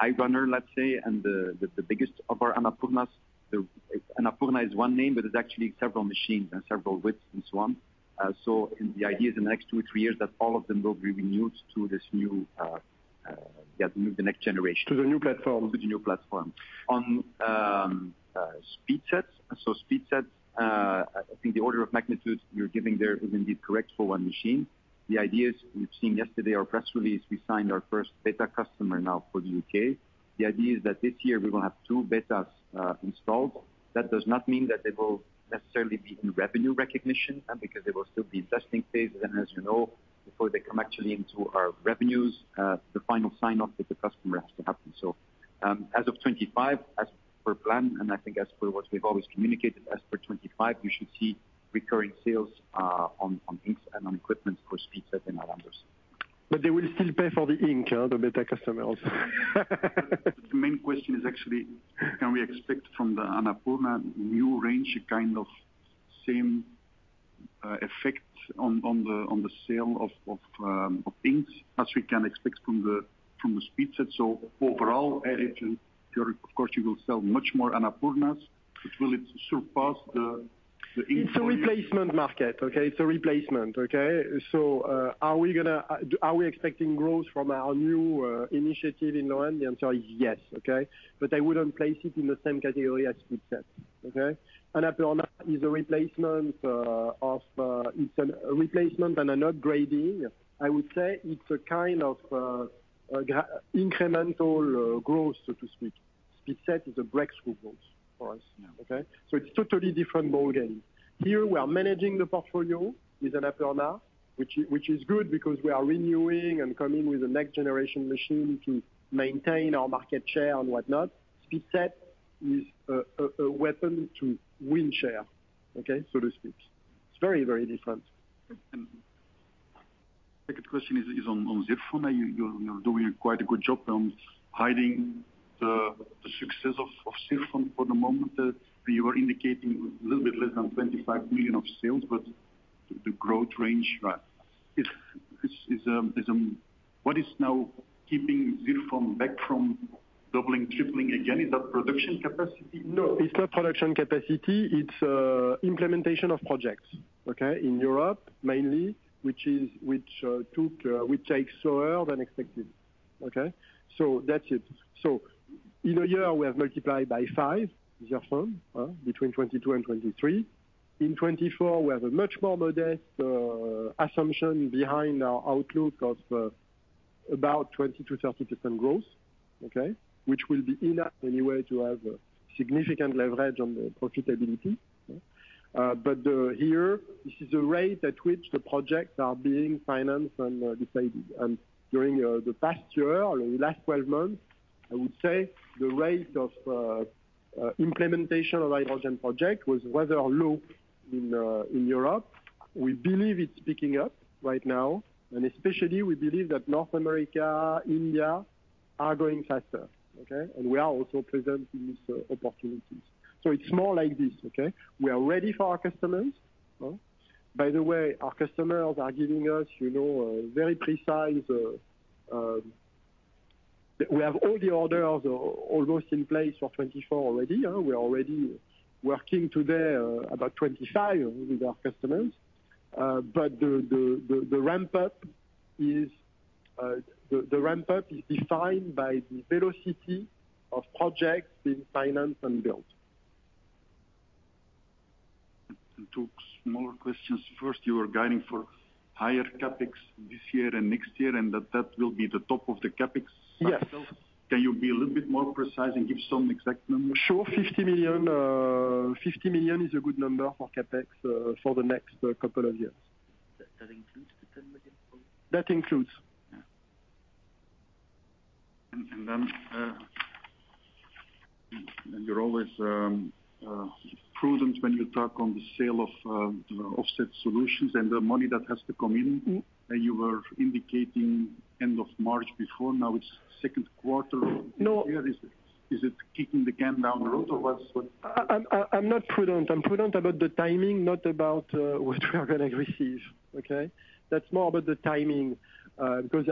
high runner, let's say, and the biggest of our Anapurnas. Anapurna is one name, but it's actually several machines and several widths and so on. The idea is in the next 2 or 3 years that all of them will be renewed to this new yeah, to move the next generation. To the new platform. To the new platform. On SpeedSet, so SpeedSet, I think the order of magnitude you're giving there is indeed correct for one machine. The idea is we've seen yesterday our press release. We signed our first beta customer now for the U.K. The idea is that this year, we will have two betas installed. That does not mean that they will necessarily be in revenue recognition because they will still be in testing phase. And as you know, before they come actually into our revenues, the final sign-off with the customer has to happen. So as of 2025, as per plan, and I think as per what we've always communicated, as per 2025, you should see recurring sales on inks and on equipment for SpeedSet in our numbers. But they will still pay for the ink, the beta customers. The main question is actually, can we expect from the Anapurna new range a kind of same effect on the sale of inks as we can expect from the SpeedSet? So overall, of course, you will sell much more Anapurnas. But will it surpass the ink? It's a replacement market, okay? It's a replacement, okay? So are we expecting growth from our new initiative in low-end? The answer is yes, okay? But I wouldn't place it in the same category as SpeedSet, okay? Anapurna is a replacement; it's a replacement and an upgrading. I would say it's a kind of incremental growth, so to speak. SpeedSet is a breakthrough growth for us, okay? So it's totally different ballgame. Here, we are managing the portfolio with Anapurna, which is good because we are renewing and coming with a next-generation machine to maintain our market share and whatnot. SpeedSet is a weapon to win share, okay, so to speak. It's very, very different. Second question is on Zirfon. You're doing quite a good job on hiding the success of Zirfon for the moment. You were indicating a little bit less than 25 million of sales, but the growth range, right, is what is now keeping Zirfon back from doubling, tripling again? Is that production capacity? No, it's not production capacity. It's implementation of projects, okay, in Europe mainly, which takes slower than expected, okay? That's it. In a year, we have multiplied by 5 Zirfon between 2022 and 2023. In 2024, we have a much more modest assumption behind our outlook of about 20%-30% growth, okay, which will be enough anyway to have significant leverage on the profitability. But here, this is the rate at which the projects are being financed and decided. During the past year, the last 12 months, I would say the rate of implementation of hydrogen projects was rather low in Europe. We believe it's picking up right now. And especially, we believe that North America, India are going faster, okay? And we are also presenting these opportunities. It's more like this, okay? We are ready for our customers. By the way, our customers are giving us very precise. We have all the orders almost in place for 2024 already. We are already working today about 25 with our customers. But the ramp-up is defined by the velocity of projects being financed and built. Two small questions. First, you were guiding for higher CapEx this year and next year, and that will be the top of the CapEx cycle. Can you be a little bit more precise and give some exact numbers? Sure. 50 million is a good number for CapEx for the next couple of years. That includes the EUR 10 million? That includes. Then you're always prudent when you talk on the sale of Offset Solutions and the money that has to come in. You were indicating end of March before. Now it's second quarter of this year. Is it kicking the can down the road, or what? I'm not prudent. I'm prudent about the timing, not about what we are going to receive, okay? That's more about the timing because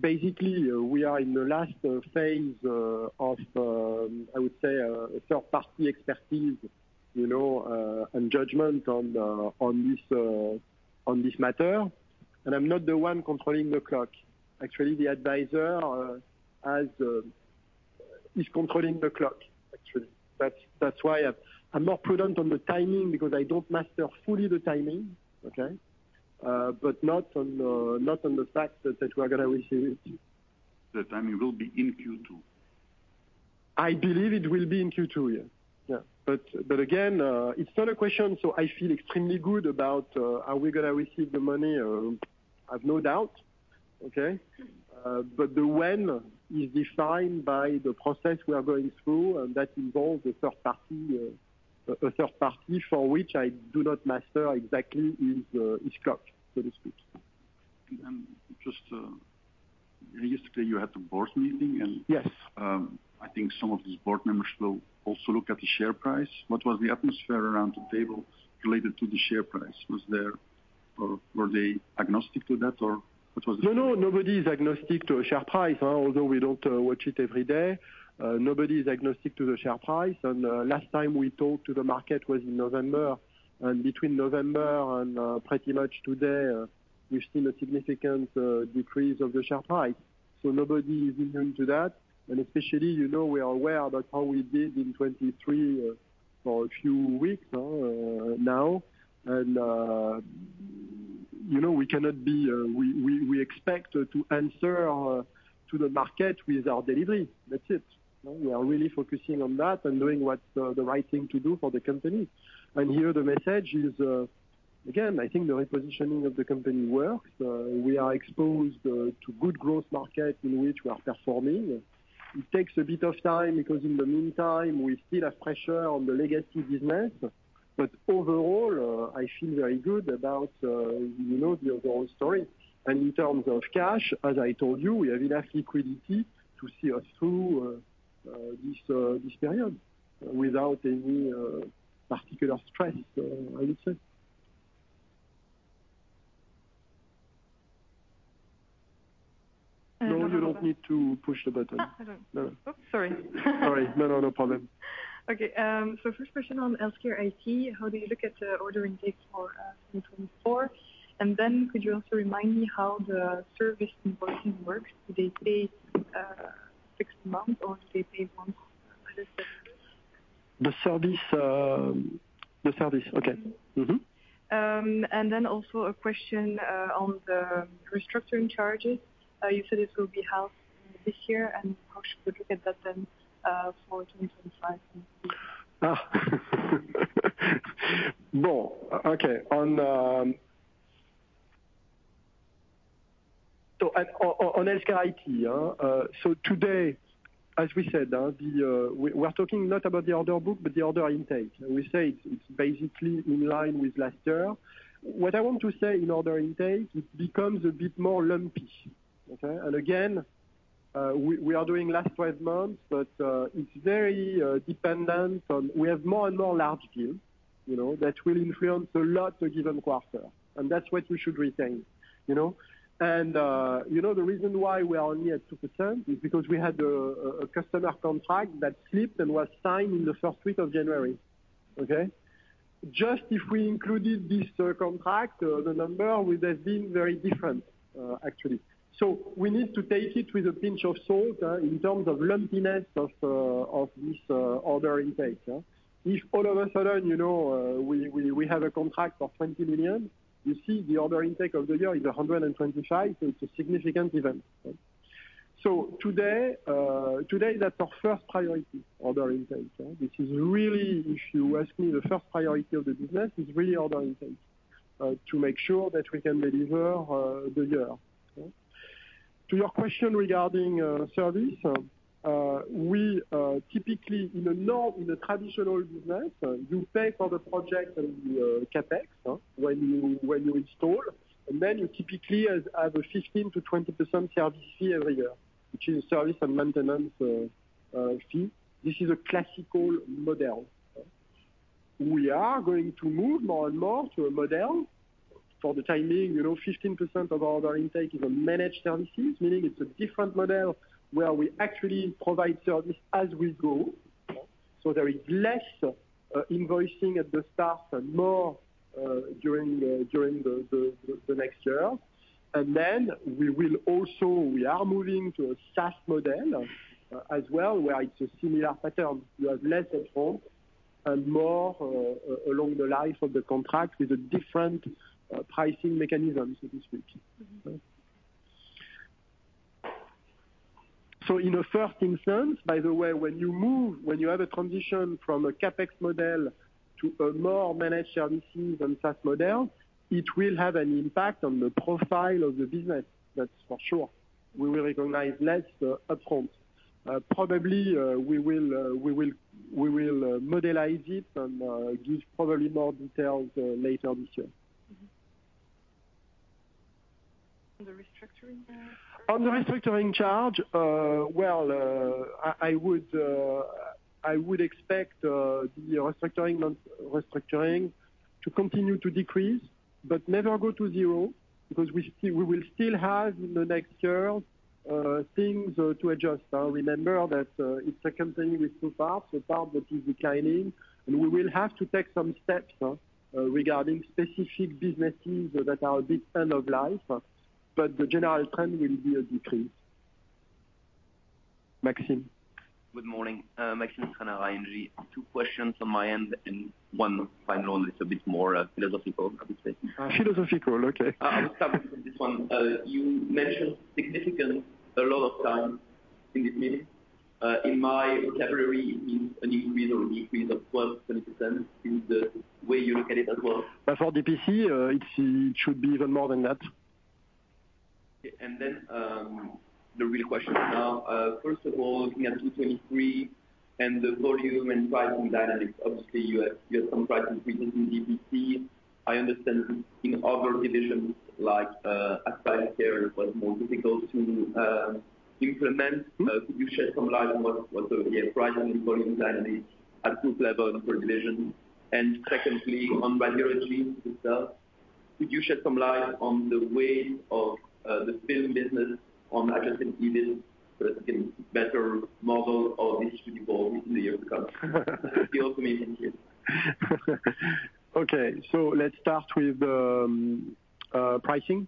basically, we are in the last phase of, I would say, third-party expertise and judgment on this matter. I'm not the one controlling the clock. Actually, the advisor is controlling the clock, actually. That's why I'm more prudent on the timing because I don't master fully the timing, okay, but not on the fact that we are going to receive it. The timing will be in Q2. I believe it will be in Q2, yes. Yeah. But again, it's not a question so I feel extremely good about are we going to receive the money. I have no doubt, okay? But the when is defined by the process we are going through, and that involves a third party for which I do not master exactly its clock, so to speak. Just yesterday, you had the board meeting, and I think some of these board members will also look at the share price. What was the atmosphere around the table related to the share price? Were they agnostic to that, or what was the? No, no. Nobody is agnostic to a share price, although we don't watch it every day. Nobody is agnostic to the share price. Last time we talked to the market was in November. Between November and pretty much today, we've seen a significant decrease of the share price. So nobody is immune to that. Especially, we are aware about how we did in 2023 for a few weeks now. And we cannot be we expect to answer to the market with our delivery. That's it. We are really focusing on that and doing what's the right thing to do for the company. Here, the message is, again, I think the repositioning of the company works. We are exposed to good growth markets in which we are performing. It takes a bit of time because in the meantime, we still have pressure on the legacy business. Overall, I feel very good about the overall story. In terms of cash, as I told you, we have enough liquidity to see us through this period without any particular stress, I would say. No, you don't need to push the button. I don't. Sorry. Sorry. No, no, no problem. Okay. First question on HealthCare IT. How do you look at the order intake for 2024? And then could you also remind me how the service invoicing works? Do they pay fixed amounts, or do they pay once a listed service? The service. The service, okay. Then also a question on the restructuring charges. You said it will be held this year. How should we look at that then for 2025? Bon, okay. So on HealthCare IT, so today, as we said, we're talking not about the order book, but the order intake. We say it's basically in line with last year. What I want to say in order intake, it becomes a bit more lumpy, okay? And again, we are doing last 12 months, but it's very dependent on we have more and more large deals that will influence a lot the given quarter. And that's what we should retain. And the reason why we are only at 2% is because we had a customer contract that slipped and was signed in the first week of January, okay? Just if we included this contract, the number would have been very different, actually. So we need to take it with a pinch of salt in terms of lumpiness of this order intake. If all of a sudden, we have a contract for 20 million, you see the order intake of the year is 125. So it's a significant event, right? So today, that's our first priority, order intake. This is really, if you ask me, the first priority of the business is really order intake to make sure that we can deliver the year. To your question regarding service, we typically, in a traditional business, you pay for the project and the CapEx when you install. And then you typically have a 15%-20% service fee every year, which is a service and maintenance fee. This is a classical model. We are going to move more and more to a model for the timing. 15% of our order intake is a managed services, meaning it's a different model where we actually provide service as we go. So there is less invoicing at the start and more during the next year. And then we will also, we are moving to a SaaS model as well where it's a similar pattern. You have less upfront and more along the life of the contract with a different pricing mechanism, so to speak. So in a first instance, by the way, when you have a transition from a CapEx model to a more managed services and SaaS model, it will have an impact on the profile of the business. That's for sure. We will recognize less upfront. Probably, we will modelize it and give probably more details later this year. On the restructuring charge? On the restructuring charge, well, I would expect the restructuring to continue to decrease but never go to zero because we will still have in the next years things to adjust. Remember that it's a company we're so far. So part of it is declining. And we will have to take some steps regarding specific businesses that are a bit end of life. But the general trend will be a decrease. Maxime. Good morning. Maxime Stranart, ING. Two questions on my end and one final one that's a bit more philosophical, I would say. Philosophical, okay. I will start with this one. You mentioned significant a lot of time in this meeting. In my vocabulary, it means an increase or a decrease of 12%-20% in the way you look at it as well. But for DPC, it should be even more than that. Okay. And then the real question now. First of all, looking at 2023 and the volume and pricing dynamics, obviously, you have some price increases in DPC. I understand in other divisions, like at HealthCare, it was more difficult to implement. Could you shed some light on what the pricing and volume dynamics at group level and per division? And secondly, on Radiology itself, could you shed some light on the weight of the film business on adjusted EBITDA so that we can better model all this to the board in the years to come? Thank you. Okay. So let's start with the pricing.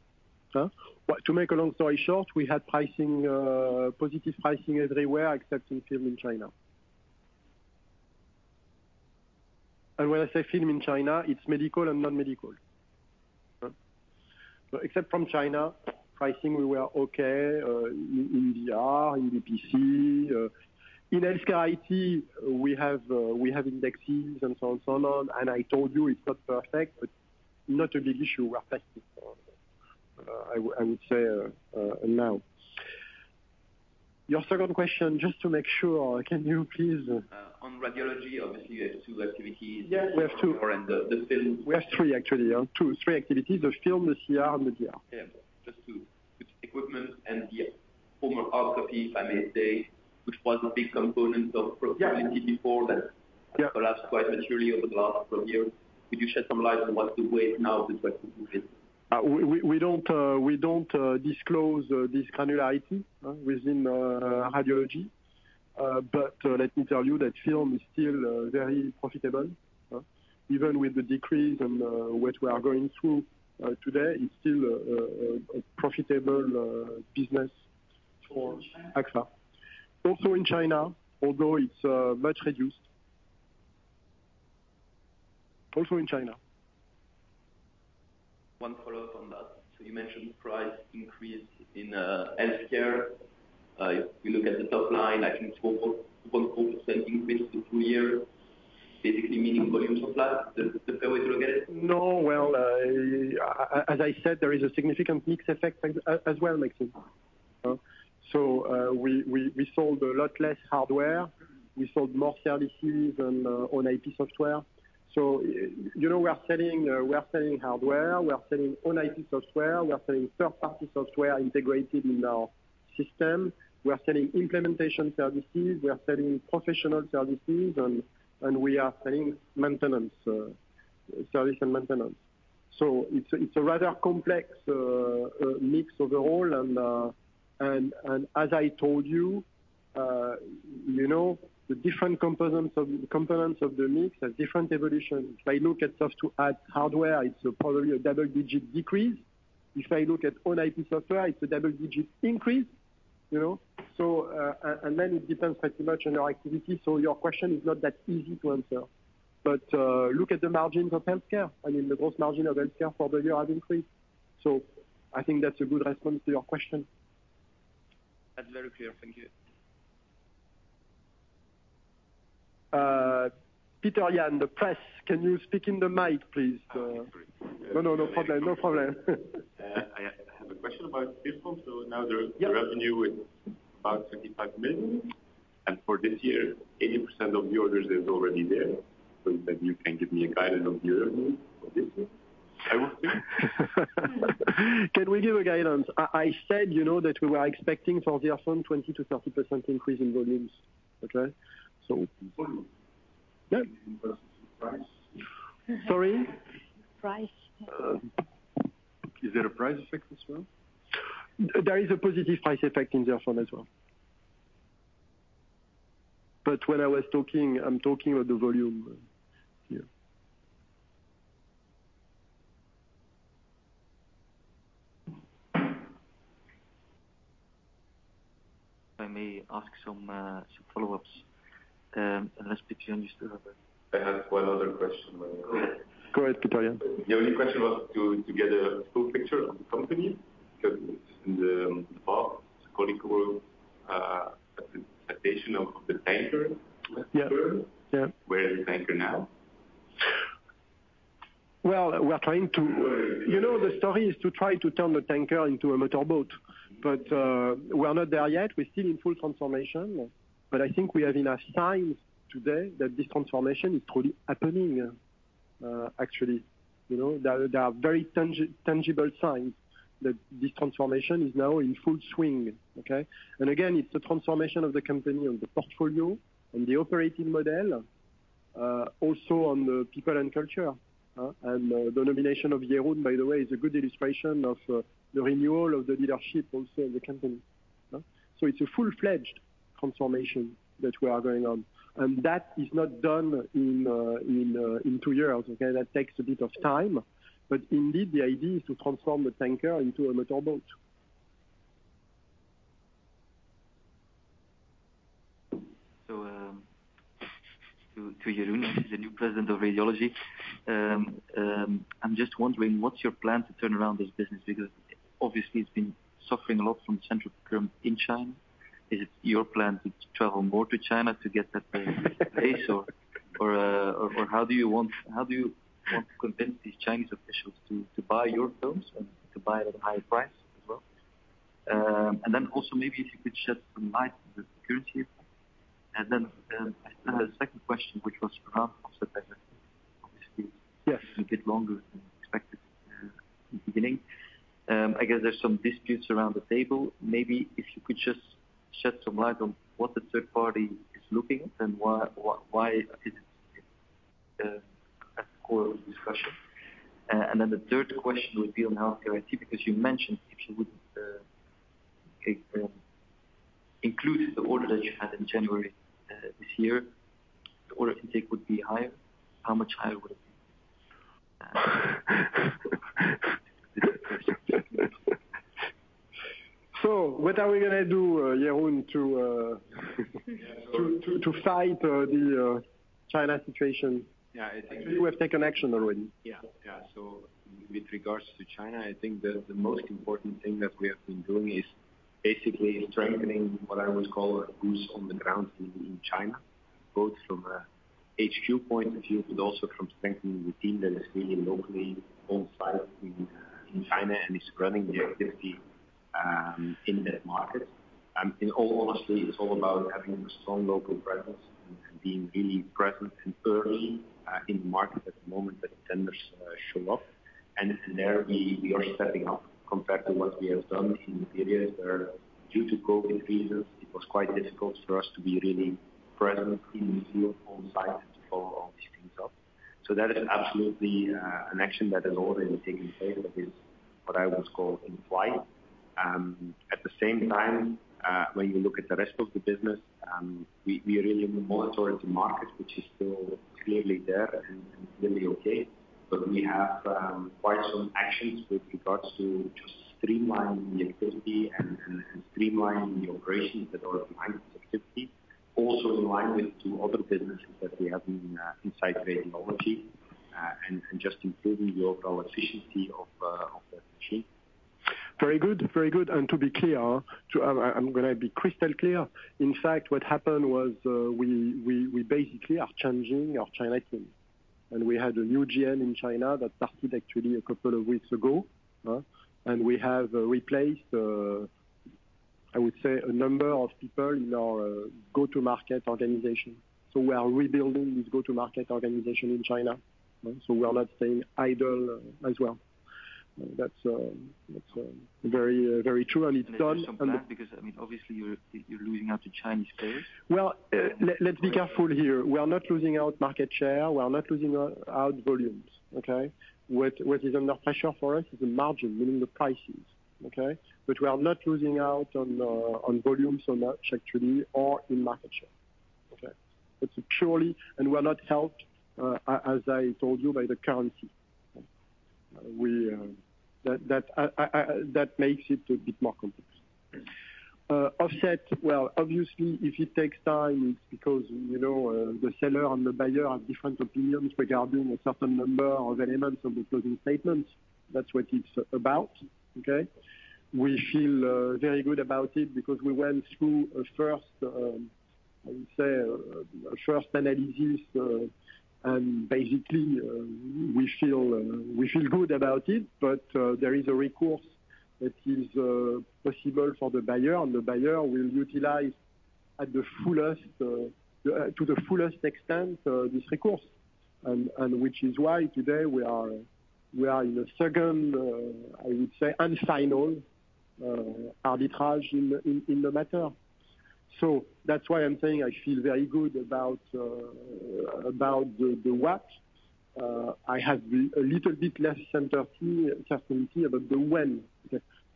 To make a long story short, we had positive pricing everywhere except in film in China. And when I say film in China, it's medical and non-medical. Except from China, pricing, we were okay in DR, in DPC. In HealthCare IT, we have indexes and so on and so on. And I told you it's not perfect, but not a big issue. We're testing, I would say, now. Your second question, just to make sure, can you please. On Radiology, obviously, you have two activities. Yes, we have two. The film. We have three, actually. Three activities: the film, the CR, and the DR. Yeah. Just to equipment and the former Offset, if I may say, which was a big component of profitability before that collapsed quite materially over the last 12 years. Could you shed some light on what's the weight now of the 2023? We don't disclose this granularity within Radiology. But let me tell you that film is still very profitable. Even with the decrease and what we are going through today, it's still a profitable business for Agfa. Also in China, although it's much reduced. Also in China. One follow-up on that. So you mentioned price increase in HealthCare. If we look at the top line, I think it's 2.4% increase for two years, basically meaning volume surplus. Is that the fair way to look at it? No. Well, as I said, there is a significant mix effect as well, Maxime. So we sold a lot less hardware. We sold more services and own IP software. So we are selling hardware. We are selling own IP software. We are selling third-party software integrated in our system. We are selling implementation services. We are selling professional services. And we are selling service and maintenance. So it's a rather complex mix overall. And as I told you, the different components of the mix have different evolutions. If I look at sales of hardware, it's probably a double-digit decrease. If I look at own IP software, it's a double-digit increase. And then it depends pretty much on your activity. So your question is not that easy to answer. But look at the margins of HealthCare. I mean, the gross margin of HealthCare for the year has increased. I think that's a good response to your question. That's very clear. Thank you. Peter-Jan, the press, can you speak in the mic, please? Absolutely. No, no, no problem. No problem. I have a question about Zirfon. So now the revenue is about 25 million. And for this year, 80% of the orders is already there. So you said you can give me a guidance on the revenue for this year, I would think. Can we give a guidance? I said that we were expecting for the year from 20%-30% increase in volumes, okay? So. Volume? Yeah. In terms of price? Sorry? Price. Is there a price effect as well? There is a positive price effect in the Offset as well. But when I was talking, I'm talking of the volume here. If I may ask some follow-ups. Unless Peter, you still have a? I had one other question when you. Go ahead, Peter-Jan. The only question was to get a full picture of the company because in the past, the colleague wrote a depiction of the tanker firm. Where is the tanker now? Well, the story is to try to turn the tanker into a motorboat. But we are not there yet. We're still in full transformation. But I think we have enough signs today that this transformation is truly happening, actually. There are very tangible signs that this transformation is now in full swing, okay? And again, it's a transformation of the company on the portfolio and the operating model, also on the people and culture. And the nomination of Jeroen, by the way, is a good illustration of the renewal of the leadership also in the company. So it's a full-fledged transformation that we are going on. And that is not done in two years, okay? That takes a bit of time. But indeed, the idea is to transform the tanker into a motorboat. So to Jeroen, who is the new president of Radiology, I'm just wondering, what's your plan to turn around this business? Because obviously, it's been suffering a lot from the currency in China. Is it your plan to travel more to China to get that pace, or how do you want to convince these Chinese officials to buy your films and to buy at a higher price as well? And then also maybe if you could shed some light on the currency effect. And then I still have a second question, which was around Offset benefits. Obviously, it's a bit longer than expected in the beginning. I guess there's some disputes around the table. Maybe if you could just shed some light on what the third party is looking at, then why is it at the core of the discussion? And then the third question would be on HealthCare IT because you mentioned if you would include the order that you had in January this year, the order intake would be higher. How much higher would it be? What are we going to do, Jeroen, to fight the China situation? Actually, we have taken action already. Yeah. Yeah. So with regards to China, I think that the most important thing that we have been doing is basically strengthening what I would call a boost on the ground in China, both from an HQ point of view, but also from strengthening the team that is really locally on site in China and is running the activity in that market. And honestly, it's all about having a strong local presence and being really present and early in the market at the moment that tenders show up. And there, we are stepping up compared to what we have done in the period where, due to COVID reasons, it was quite difficult for us to be really present in the field on site and to follow all these things up. So that is absolutely an action that has already taken place that is what I would call in flight. At the same time, when you look at the rest of the business, we really monitor the market, which is still clearly there and clearly okay. But we have quite some actions with regards to just streamlining the activity and streamlining the operations that are behind this activity, also in line with two other businesses that we have inside Radiology and just improving the overall efficiency of that machine. Very good. Very good. To be clear, I'm going to be crystal clear. In fact, what happened was we basically are changing our China team. We had a new GM in China that started, actually, a couple of weeks ago. We have replaced, I would say, a number of people in our go-to-market organization. We are rebuilding this go-to-market organization in China. We are not staying idle as well. That's very true. It's done. That's not bad because, I mean, obviously, you're losing out to Chinese players. Well, let's be careful here. We are not losing out market share. We are not losing out volumes, okay? What is under pressure for us is the margin, meaning the prices, okay? But we are not losing out on volume so much, actually, or in market share, okay? And we are not helped, as I told you, by the currency. That makes it a bit more complex. Offset, well, obviously, if it takes time, it's because the seller and the buyer have different opinions regarding a certain number of elements of the closing statements. That's what it's about, okay? We feel very good about it because we went through a first, I would say, a first analysis. And basically, we feel good about it. But there is a recourse that is possible for the buyer. The buyer will utilize to the fullest extent this recourse, which is why today we are in a second, I would say, and final arbitrage in the matter. So that's why I'm saying I feel very good about the what. I have a little bit less certainty about the when.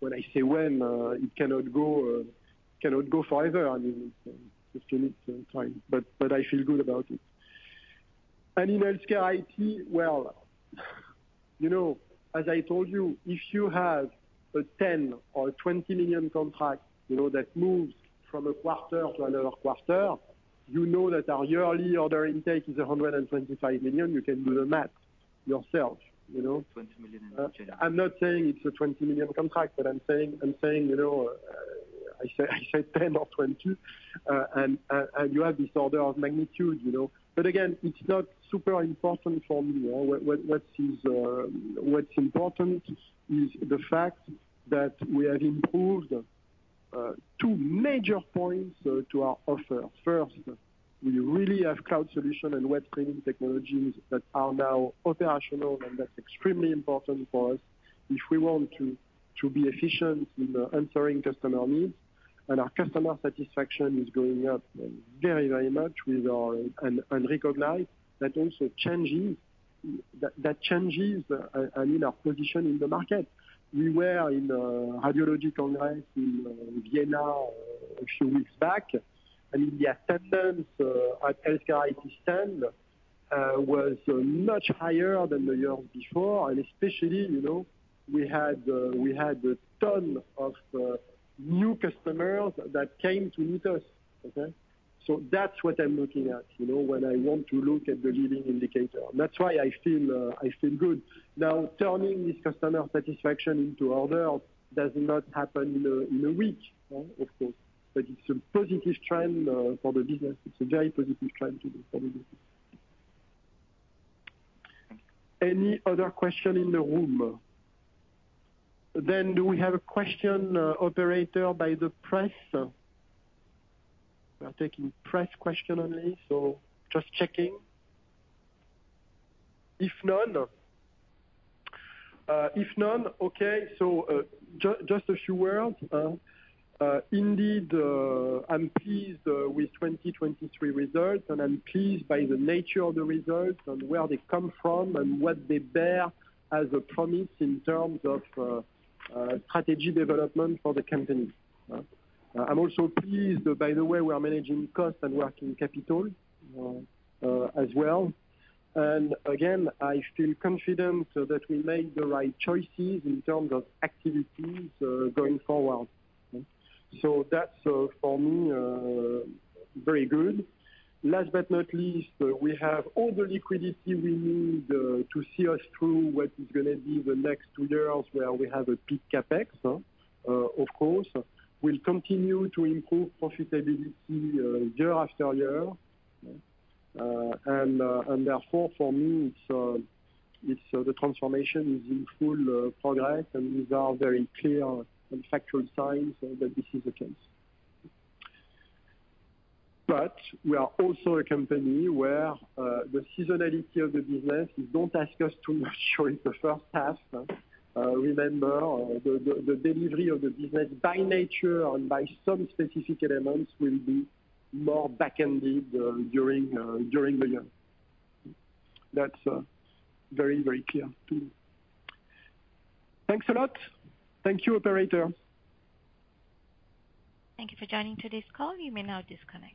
When I say when, it cannot go forever. I mean, it's just finished time. But I feel good about it. In HealthCare IT, well, as I told you, if you have a 10 million or 20 million contract that moves from a quarter to another quarter, you know that our yearly order intake is 125 million. You can do the math yourself. 20 million in January. I'm not saying it's a 20 million contract, but I'm saying I say 10 million or 20 million. And you have this order of magnitude. But again, it's not super important for me. What's important is the fact that we have improved two major points to our offer. First, we really have cloud solution and web streaming technologies that are now operational, and that's extremely important for us if we want to be efficient in answering customer needs. And our customer satisfaction is going up very, very much with our. And recognize that also changes our position in the market. We were in a Radiology congress in Vienna a few weeks back. I mean, the attendance at HealthCare IT stand was much higher than the years before. And especially, we had a ton of new customers that came to meet us, okay? So that's what I'm looking at when I want to look at the leading indicator. That's why I feel good. Now, turning this customer satisfaction into order does not happen in a week, of course. But it's a positive trend for the business. It's a very positive trend for the business. Any other question in the room? Then do we have a question operator by the press? We are taking press question only, so just checking. If none, okay. So just a few words. Indeed, I'm pleased with 2023 results. I'm pleased by the nature of the results and where they come from and what they bear as a promise in terms of strategy development for the company. I'm also pleased, by the way, we are managing cost and working capital as well. And again, I feel confident that we made the right choices in terms of activities going forward. So that's, for me, very good. Last but not least, we have all the liquidity we need to see us through what is going to be the next two years where we have a peak CapEx, of course. We'll continue to improve profitability year after year. And therefore, for me, the transformation is in full progress. And these are very clear and factual signs that this is the case. But we are also a company where the seasonality of the business is don't ask us too much short of the first half. Remember, the delivery of the business by nature and by some specific elements will be more back-ended during the year. That's very, very clear to me. Thanks a lot. Thank you, operator. Thank you for joining today's call. You may now disconnect.